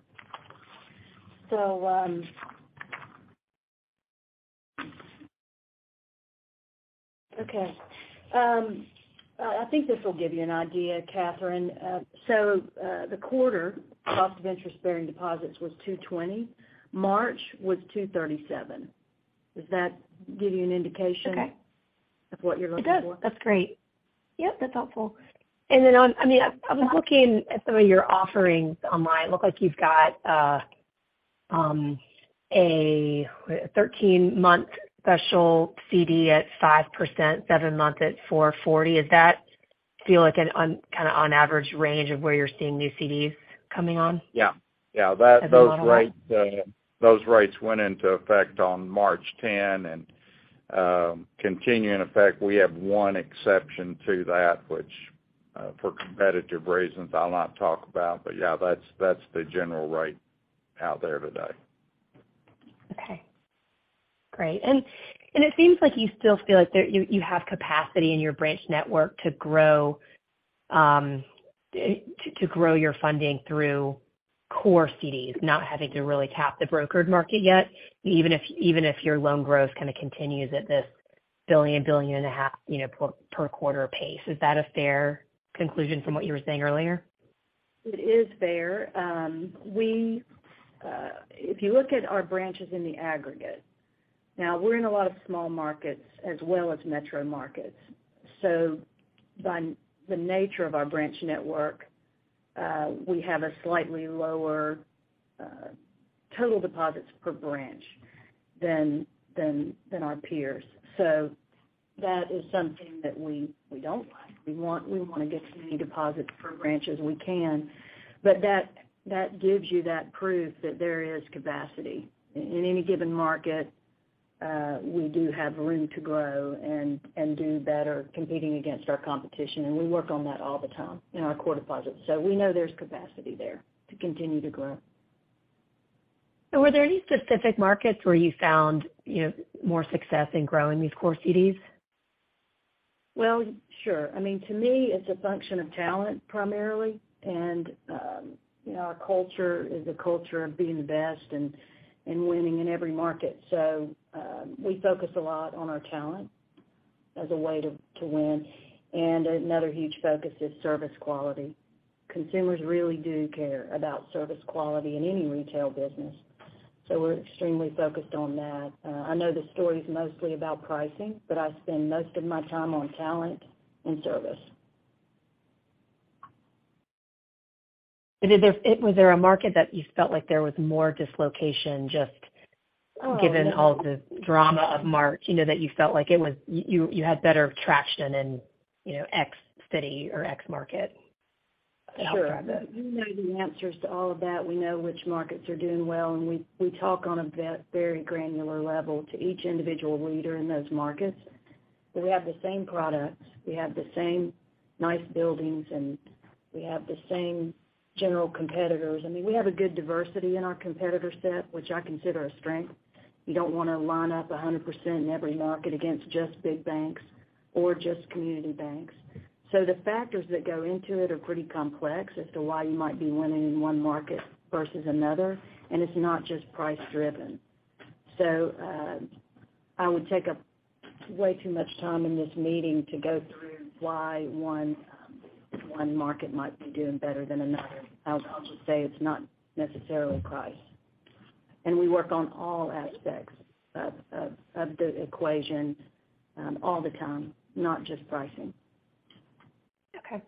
Okay. I think this will give you an idea, Catherine. The quarter cost of interest-bearing deposits was 2.20%, March was 2.37%. Does that give you an indication? Okay. Of what you're looking for? It does. That's great. Yep, that's helpful. I mean, I've been looking at some of your offerings online. It looked like you've got a 13-month special CD at 5%, 7-month at 4.40%. Is that feel like kinda on average range of where you're seeing new CDs coming on? Yeah. Yeah. As a model? Those rates went into effect on March 10 and continue in effect. We have one exception to that, which, for competitive reasons I'll not talk about. Yeah, that's the general rate out there today. Okay. Great. It seems like you still feel like you have capacity in your branch network to grow, to grow your funding through core CDs, not having to really tap the brokered market yet, even if your loan growth kinda continues at this billion and a half, you know, per quarter pace. Is that a fair conclusion from what you were saying earlier? It is fair. We, if you look at our branches in the aggregate, now we're in a lot of small markets as well as metro markets. By the nature of our branch network, we have a slightly lower, total deposits per branch than our peers. That is something that we don't like. We wanna get as many deposits per branch as we can, but that gives you that proof that there is capacity. In any given market, we do have room to grow and do better competing against our competition, and we work on that all the time in our core deposits. We know there's capacity there to continue to grow. Were there any specific markets where you found, you know, more success in growing these core CDs? Well, sure. I mean, to me, it's a function of talent primarily, and, you know, our culture is a culture of being the best and winning in every market. We focus a lot on our talent as a way to win. Another huge focus is service quality. Consumers really do care about service quality in any retail business, so we're extremely focused on that. I know the story's mostly about pricing, but I spend most of my time on talent and service. Was there a market that you felt like there was more dislocation? Oh. Given all the drama of March, you know, that you felt like you had better traction in, you know, X city or X market? Sure. We know the answers to all of that. We know which markets are doing well, and we talk on a very granular level to each individual leader in those markets. We have the same products, we have the same nice buildings, and we have the same general competitors. I mean, we have a good diversity in our competitor set, which I consider a strength. You don't wanna line up 100% in every market against just big banks or just community banks. The factors that go into it are pretty complex as to why you might be winning in one market versus another, and it's not just price driven. I would take up way too much time in this meeting to go through why one market might be doing better than another. I'll just say it's not necessarily price. We work on all aspects of the equation, all the time, not just pricing. Okay.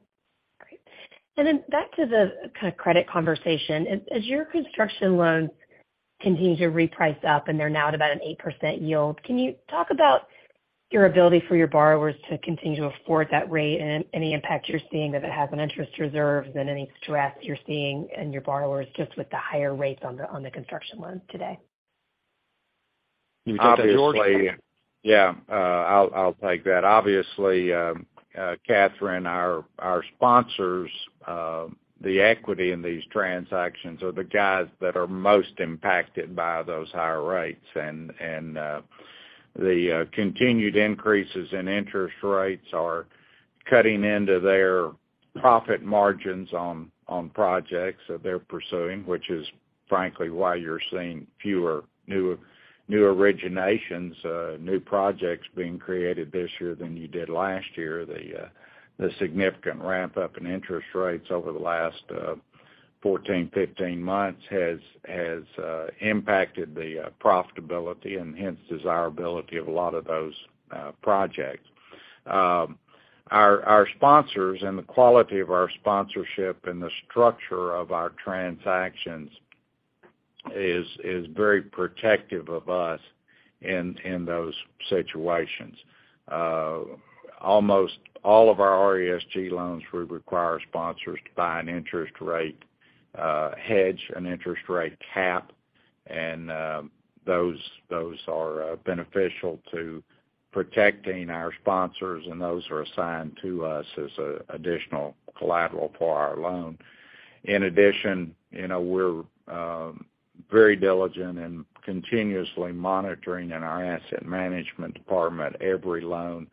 Great. Back to the kinda credit conversation. As your construction loans continue to reprice up and they're now at about an 8% yield, can you talk about your ability for your borrowers to continue to afford that rate and any impact you're seeing that it has on interest reserves and any stress you're seeing in your borrowers just with the higher rates on the, on the construction loans today? Obviously- George? Yeah. I'll take that. Obviously, Catherine, our sponsors, the equity in these transactions are the guys that are most impacted by those higher rates. The continued increases in interest rates are cutting into their profit margins on projects that they're pursuing, which is frankly why you're seeing fewer new originations, new projects being created this year than you did last year. The significant ramp up in interest rates over the last 14, 15 months has impacted the profitability and hence desirability of a lot of those projects. Our sponsors and the quality of our sponsorship and the structure of our transactions is very protective of us in those situations. Almost all of our RESG loans would require sponsors to buy an interest rate hedge, an interest rate cap. Those are beneficial to protecting our sponsors, and those are assigned to us as additional collateral for our loan. In addition, you know, we're very diligent and continuously monitoring in our asset management department every loan,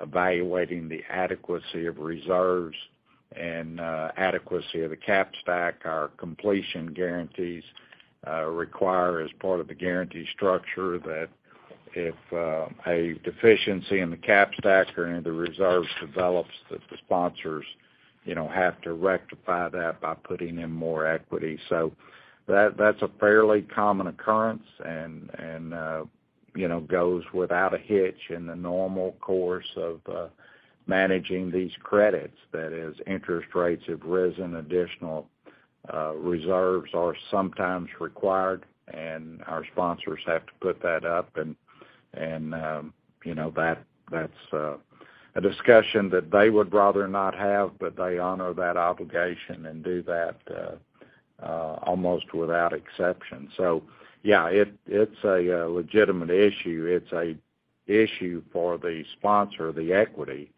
evaluating the adequacy of reserves and adequacy of the capital stack. Our completion guarantees require as part of the guarantee structure that if a deficiency in the capital stack or any of the reserves develops, that the sponsors, you know, have to rectify that by putting in more equity. That's a fairly common occurrence and, you know, goes without a hitch in the normal course of managing these credits. That is, interest rates have risen, additional reserves are sometimes required, and our sponsors have to put that up. You know, that's a discussion that they would rather not have, but they honor that obligation and do that almost without exception. Yeah, it's a legitimate issue. It's a issue for the sponsor, the equity,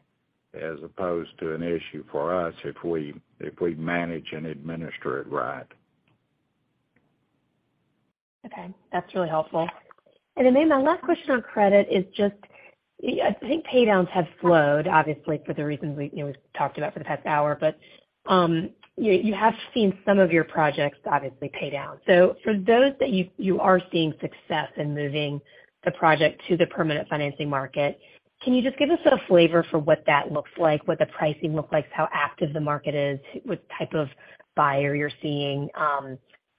as opposed to an issue for us if we, if we manage and administer it right. Okay, that's really helpful. My last question on credit is just, I think pay-downs have slowed, obviously for the reasons we, you know, we've talked about for the past hour. You have seen some of your projects obviously pay down. For those that you are seeing success in moving the project to the permanent financing market, can you just give us a flavour for what that looks like, what the pricing looks like, how active the market is, what type of buyer you're seeing?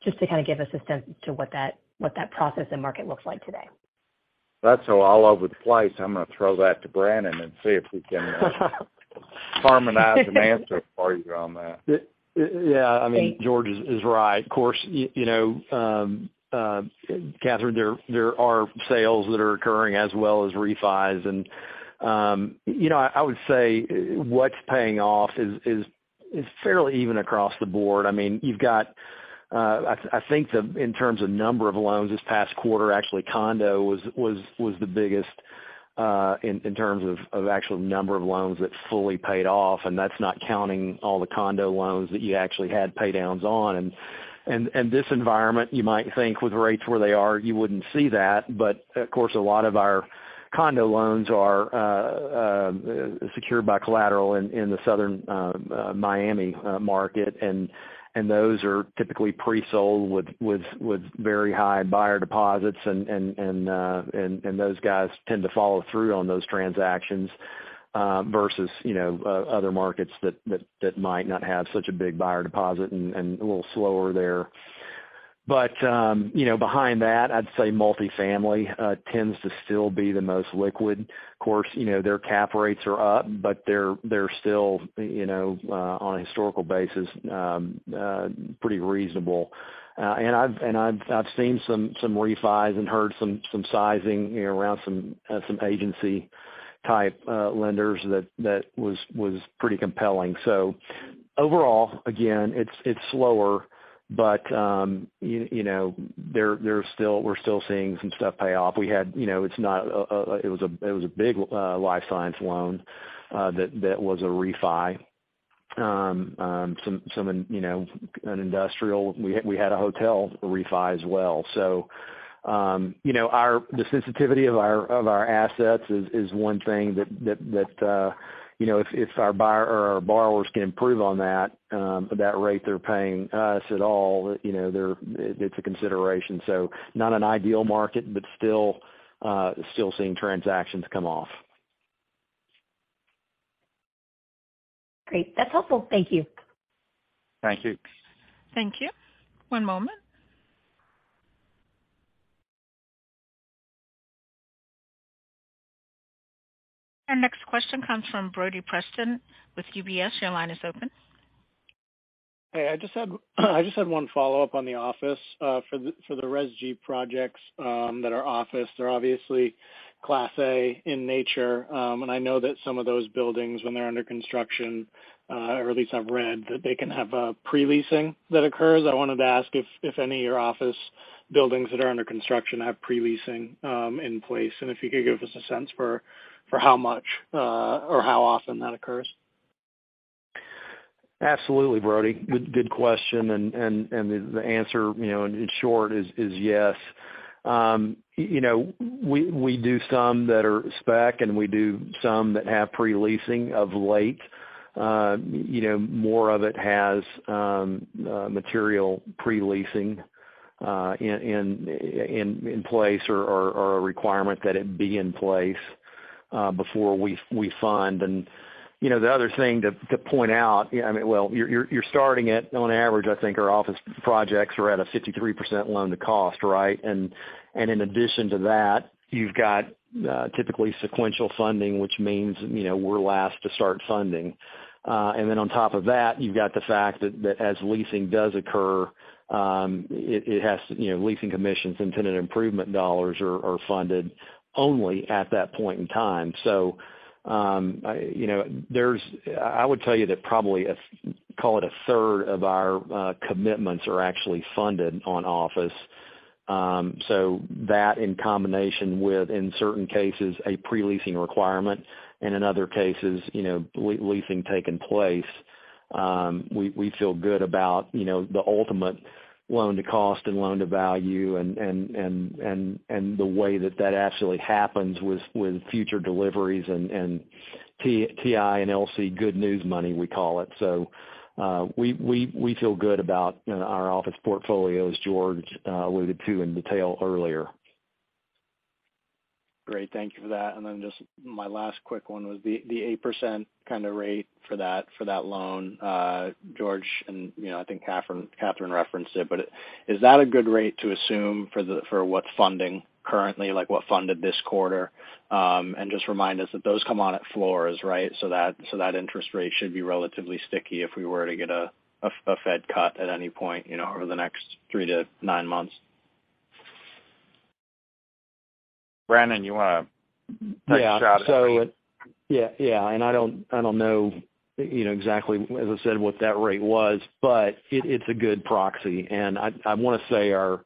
Just to kind of give us a sense to what that process and market looks like today? That's so all over the place. I'm gonna throw that to Brannon and see if he can harmonize an answer for you on that. Yeah. I mean, George is right. Of course, you know, Catherine, there are sales that are occurring as well as refis. You know, I would say what's paying off is fairly even across the board. I mean, I think the in terms of number of loans this past quarter, actually condo was the biggest in terms of actual number of loans that fully paid off. That's not counting all the condo loans that you actually had pay-downs on. This environment, you might think with rates where they are, you wouldn't see that. Of course, a lot of our condo loans are secured by collateral in the southern Miami market. Those are typically pre-sold with very high buyer deposits. Those guys tend to follow through on those transactions versus, you know, other markets that might not have such a big buyer deposit and a little slower there. You know, behind that, I'd say multifamily tends to still be the most liquid. Of course, you know, their cap rates are up, but they're still, you know, on a historical basis, pretty reasonable. I've seen some refis and heard some sizing around some agency type lenders that was pretty compelling. Overall, again, it's slower, but, you know, there's still we're still seeing some stuff pay off. We had, you know, it's not, it was a big life science loan that was a refi. Some, you know, an industrial. We had a hotel refi as well. You know, the sensitivity of our assets is one thing that, you know, if our buyer or our borrowers can improve on that rate they're paying us at all, you know, it's a consideration. Not an ideal market, but still seeing transactions come off. Great. That's helpful. Thank you. Thank you. Thank you. One moment. Our next question comes from Brody Preston with UBS. Your line is open. I just had one follow-up on the office. For the RESG projects that are office, they're obviously Class A in nature. I know that some of those buildings when they're under construction, or at least I've read, that they can have a pre-leasing that occurs. I wanted to ask if any of your office buildings that are under construction have pre-leasing in place, and if you could give us a sense for how much or how often that occurs. Absolutely, Brody. Good question. The answer, you know, in short is yes. You know, we do some that are spec, and we do some that have pre-leasing of late. You know, more of it has material pre-leasing in place or a requirement that it be in place before we fund. You know, the other thing to point out, I mean, well, you're starting at, on average, I think our office projects are at a 53% loan to cost, right? In addition to that, you've got typically sequential funding, which means, you know, we're last to start funding. Then on top of that, you've got the fact that as leasing does occur, it has, you know, leasing commissions and tenant improvement dollars are funded only at that point in time. You know, I would tell you that probably, call it 1/3 of our commitments are actually funded on office. That in combination with, in certain cases, a pre-leasing requirement and in other cases, you know, leasing taking place, we feel good about, you know, the ultimate loan to cost and loan to value and the way that that actually happens with future deliveries and TI and LC good news money, we call it. We feel good about our office portfolio, as George alluded to in detail earlier. Great. Thank you for that. Just my last quick one was the 8% kind of rate for that, for that loan, George Gleason, and, you know, I think Catherine Mealor referenced it, but is that a good rate to assume for what's funding currently, like what funded this quarter? Just remind us that those come on at floors, right? So that interest rate should be relatively sticky if we were to get a Fed cut at any point, you know, over the next 3-9 months. Brannon, you want to take a shot at that? Yeah. Yeah, yeah. I don't know, you know exactly, as I said, what that rate was, but it's a good proxy. I want to say our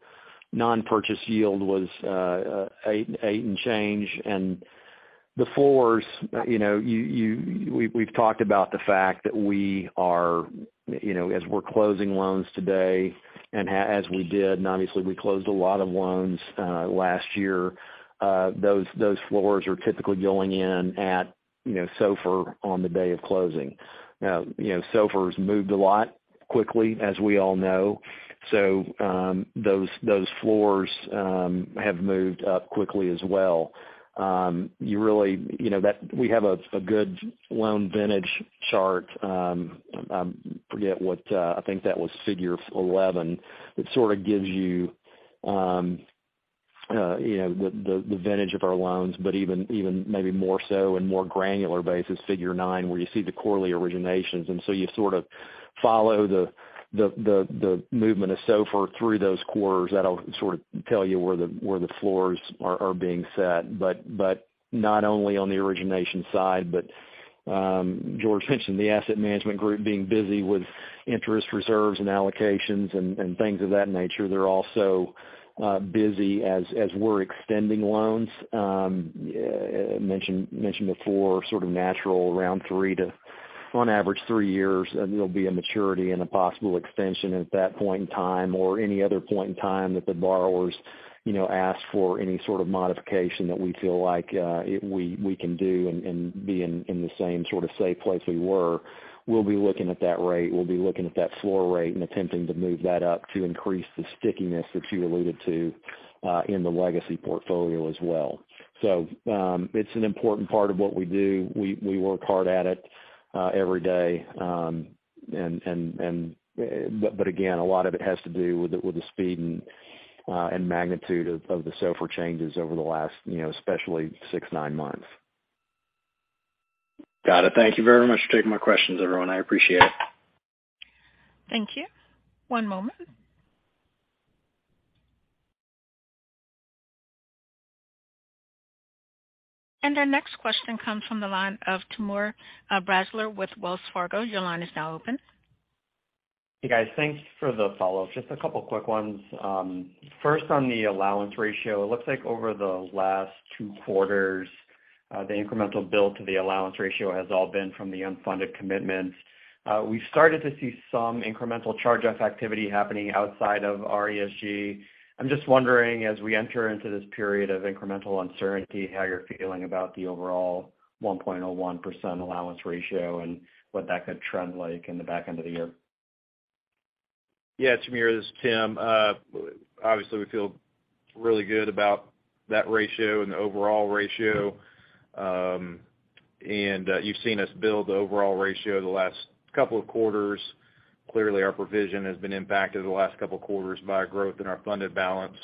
non-purchase yield was 8 and change. The floors, you know, we've talked about the fact that we are, you know, as we're closing loans today and as we did, and obviously we closed a lot of loans last year, those floors are typically going in at, you know, SOFR on the day of closing. You know, SOFR's moved a lot quickly, as we all know. Those floors have moved up quickly as well. You really, you know, we have a good loan vintage chart. I forget what, I think that was figure 11. It sort of gives you know, the vintage of our loans, but even maybe more so in more granular basis, Figure 9, where you see the quarterly originations. You sort of follow the movement of SOFR through those quarters. That'll sort of tell you where the floors are being set. Not only on the origination side, but George mentioned the asset management group being busy with interest reserves and allocations and things of that nature. They're also busy as we're extending loans. I mentioned before sort of natural round three to on average three years, there'll be a maturity and a possible extension at that point in time or any other point in time that the borrowers, you know, ask for any sort of modification that we feel like we can do and be in the same sort of safe place we were. We'll be looking at that rate. We'll be looking at that floor rate and attempting to move that up to increase the stickiness that you alluded to in the legacy portfolio as well. It's an important part of what we do. We work hard at it every day. Again, a lot of it has to do with the speed and magnitude of the SOFR changes over the last, you know, especially six, nine months. Got it. Thank you very much for taking my questions, everyone. I appreciate it. Thank you. One moment. Our next question comes from the line of Timur Braziler with Wells Fargo. Your line is now open. Hey, guys. Thanks for the follow-up. Just a couple of quick ones. First on the allowance ratio, it looks like over the last two quarters, the incremental build to the allowance ratio has all been from the unfunded commitments. We started to see some incremental charge-off activity happening outside of RESG. I'm just wondering, as we enter into this period of incremental uncertainty, how you're feeling about the overall 1.01% allowance ratio and what that could trend like in the back end of the year. Yeah, Timur, this is Tim. Obviously, we feel really good about that ratio and the overall ratio. You've seen us build the overall ratio the last couple of quarters. Clearly, our provision has been impacted the last couple of quarters by growth in our funded balance.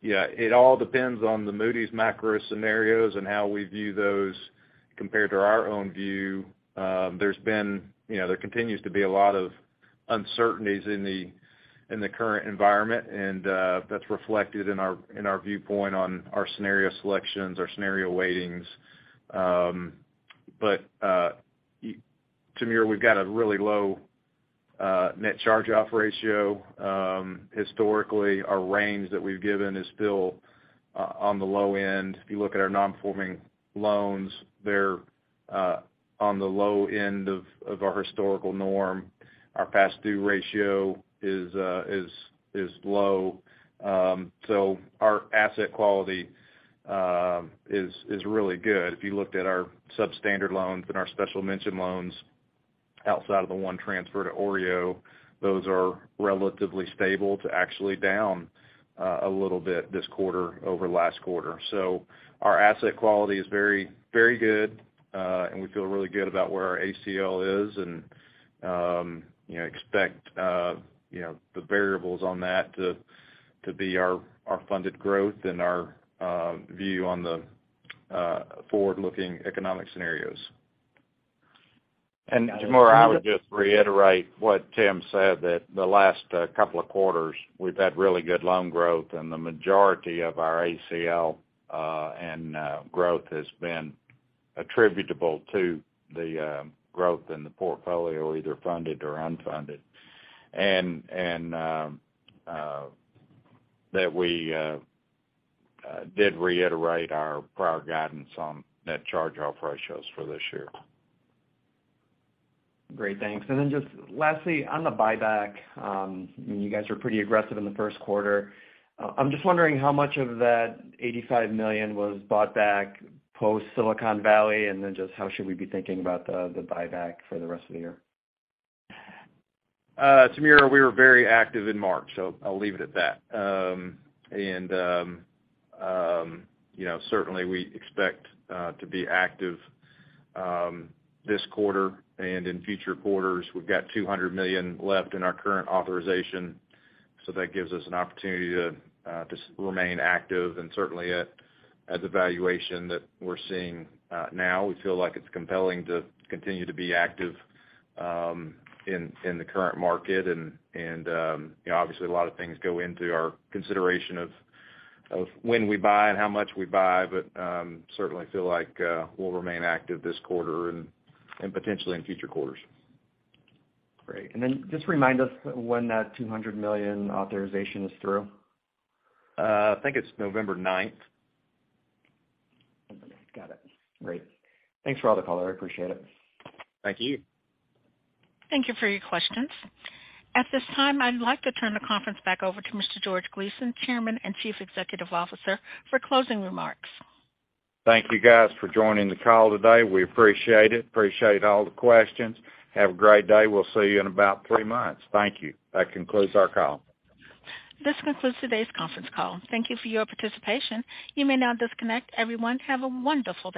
Yeah, it all depends on the Moody's macro scenarios and how we view those compared to our own view. There's been, you know, there continues to be a lot of uncertainties in the current environment, that's reflected in our viewpoint on our scenario selections, our scenario weightings. Timur, we've got a really low net charge-off ratio. Historically, our range that we've given is still on the low end. If you look at our non-performing loans, they're on the low end of our historical norm. Our past due ratio is low. Our asset quality is really good. If you looked at our substandard loans and our special mention loans, outside of the one transfer to OREO, those are relatively stable to actually down a little bit this quarter over last quarter. Our asset quality is very, very good, and we feel really good about where our ACL is and, you know, expect, you know, the variables on that to be our funded growth and our view on the forward-looking economic scenarios. Timur, I would just reiterate what Tim said, that the last couple of quarters, we've had really good loan growth, and the majority of our ACL, and growth has been attributable to the growth in the portfolio, either funded or unfunded. And that we did reiterate our prior guidance on net charge-off ratios for this year. Great. Thanks. Lastly, on the buyback, you guys are pretty aggressive in the first quarter. I'm just wondering how much of that $85 million was bought back post-Silicon Valley. How should we be thinking about the buyback for the rest of the year? Timur, we were very active in March. I'll leave it at that. You know, certainly we expect to be active this quarter and in future quarters. We've got $200 million left in our current authorisation, that gives us an opportunity to just remain active. Certainly at the valuation that we're seeing now, we feel like it's compelling to continue to be active in the current market. You know, obviously a lot of things go into our consideration of when we buy and how much we buy, but certainly feel like we'll remain active this quarter and potentially in future quarters. Great. Then just remind us when that $200 million authorization is through? I think it's November ninth. November ninth. Got it. Great. Thanks for all the color. I appreciate it. Thank you. Thank you for your questions. At this time, I'd like to turn the conference back over to Mr. George Gleason, Chairman and Chief Executive Officer, for closing remarks. Thank you guys for joining the call today. We appreciate it. Appreciate all the questions. Have a great day. We'll see you in about three months. Thank you. That concludes our call. This concludes today's conference call. Thank you for your participation. You may now disconnect. Everyone, have a wonderful day.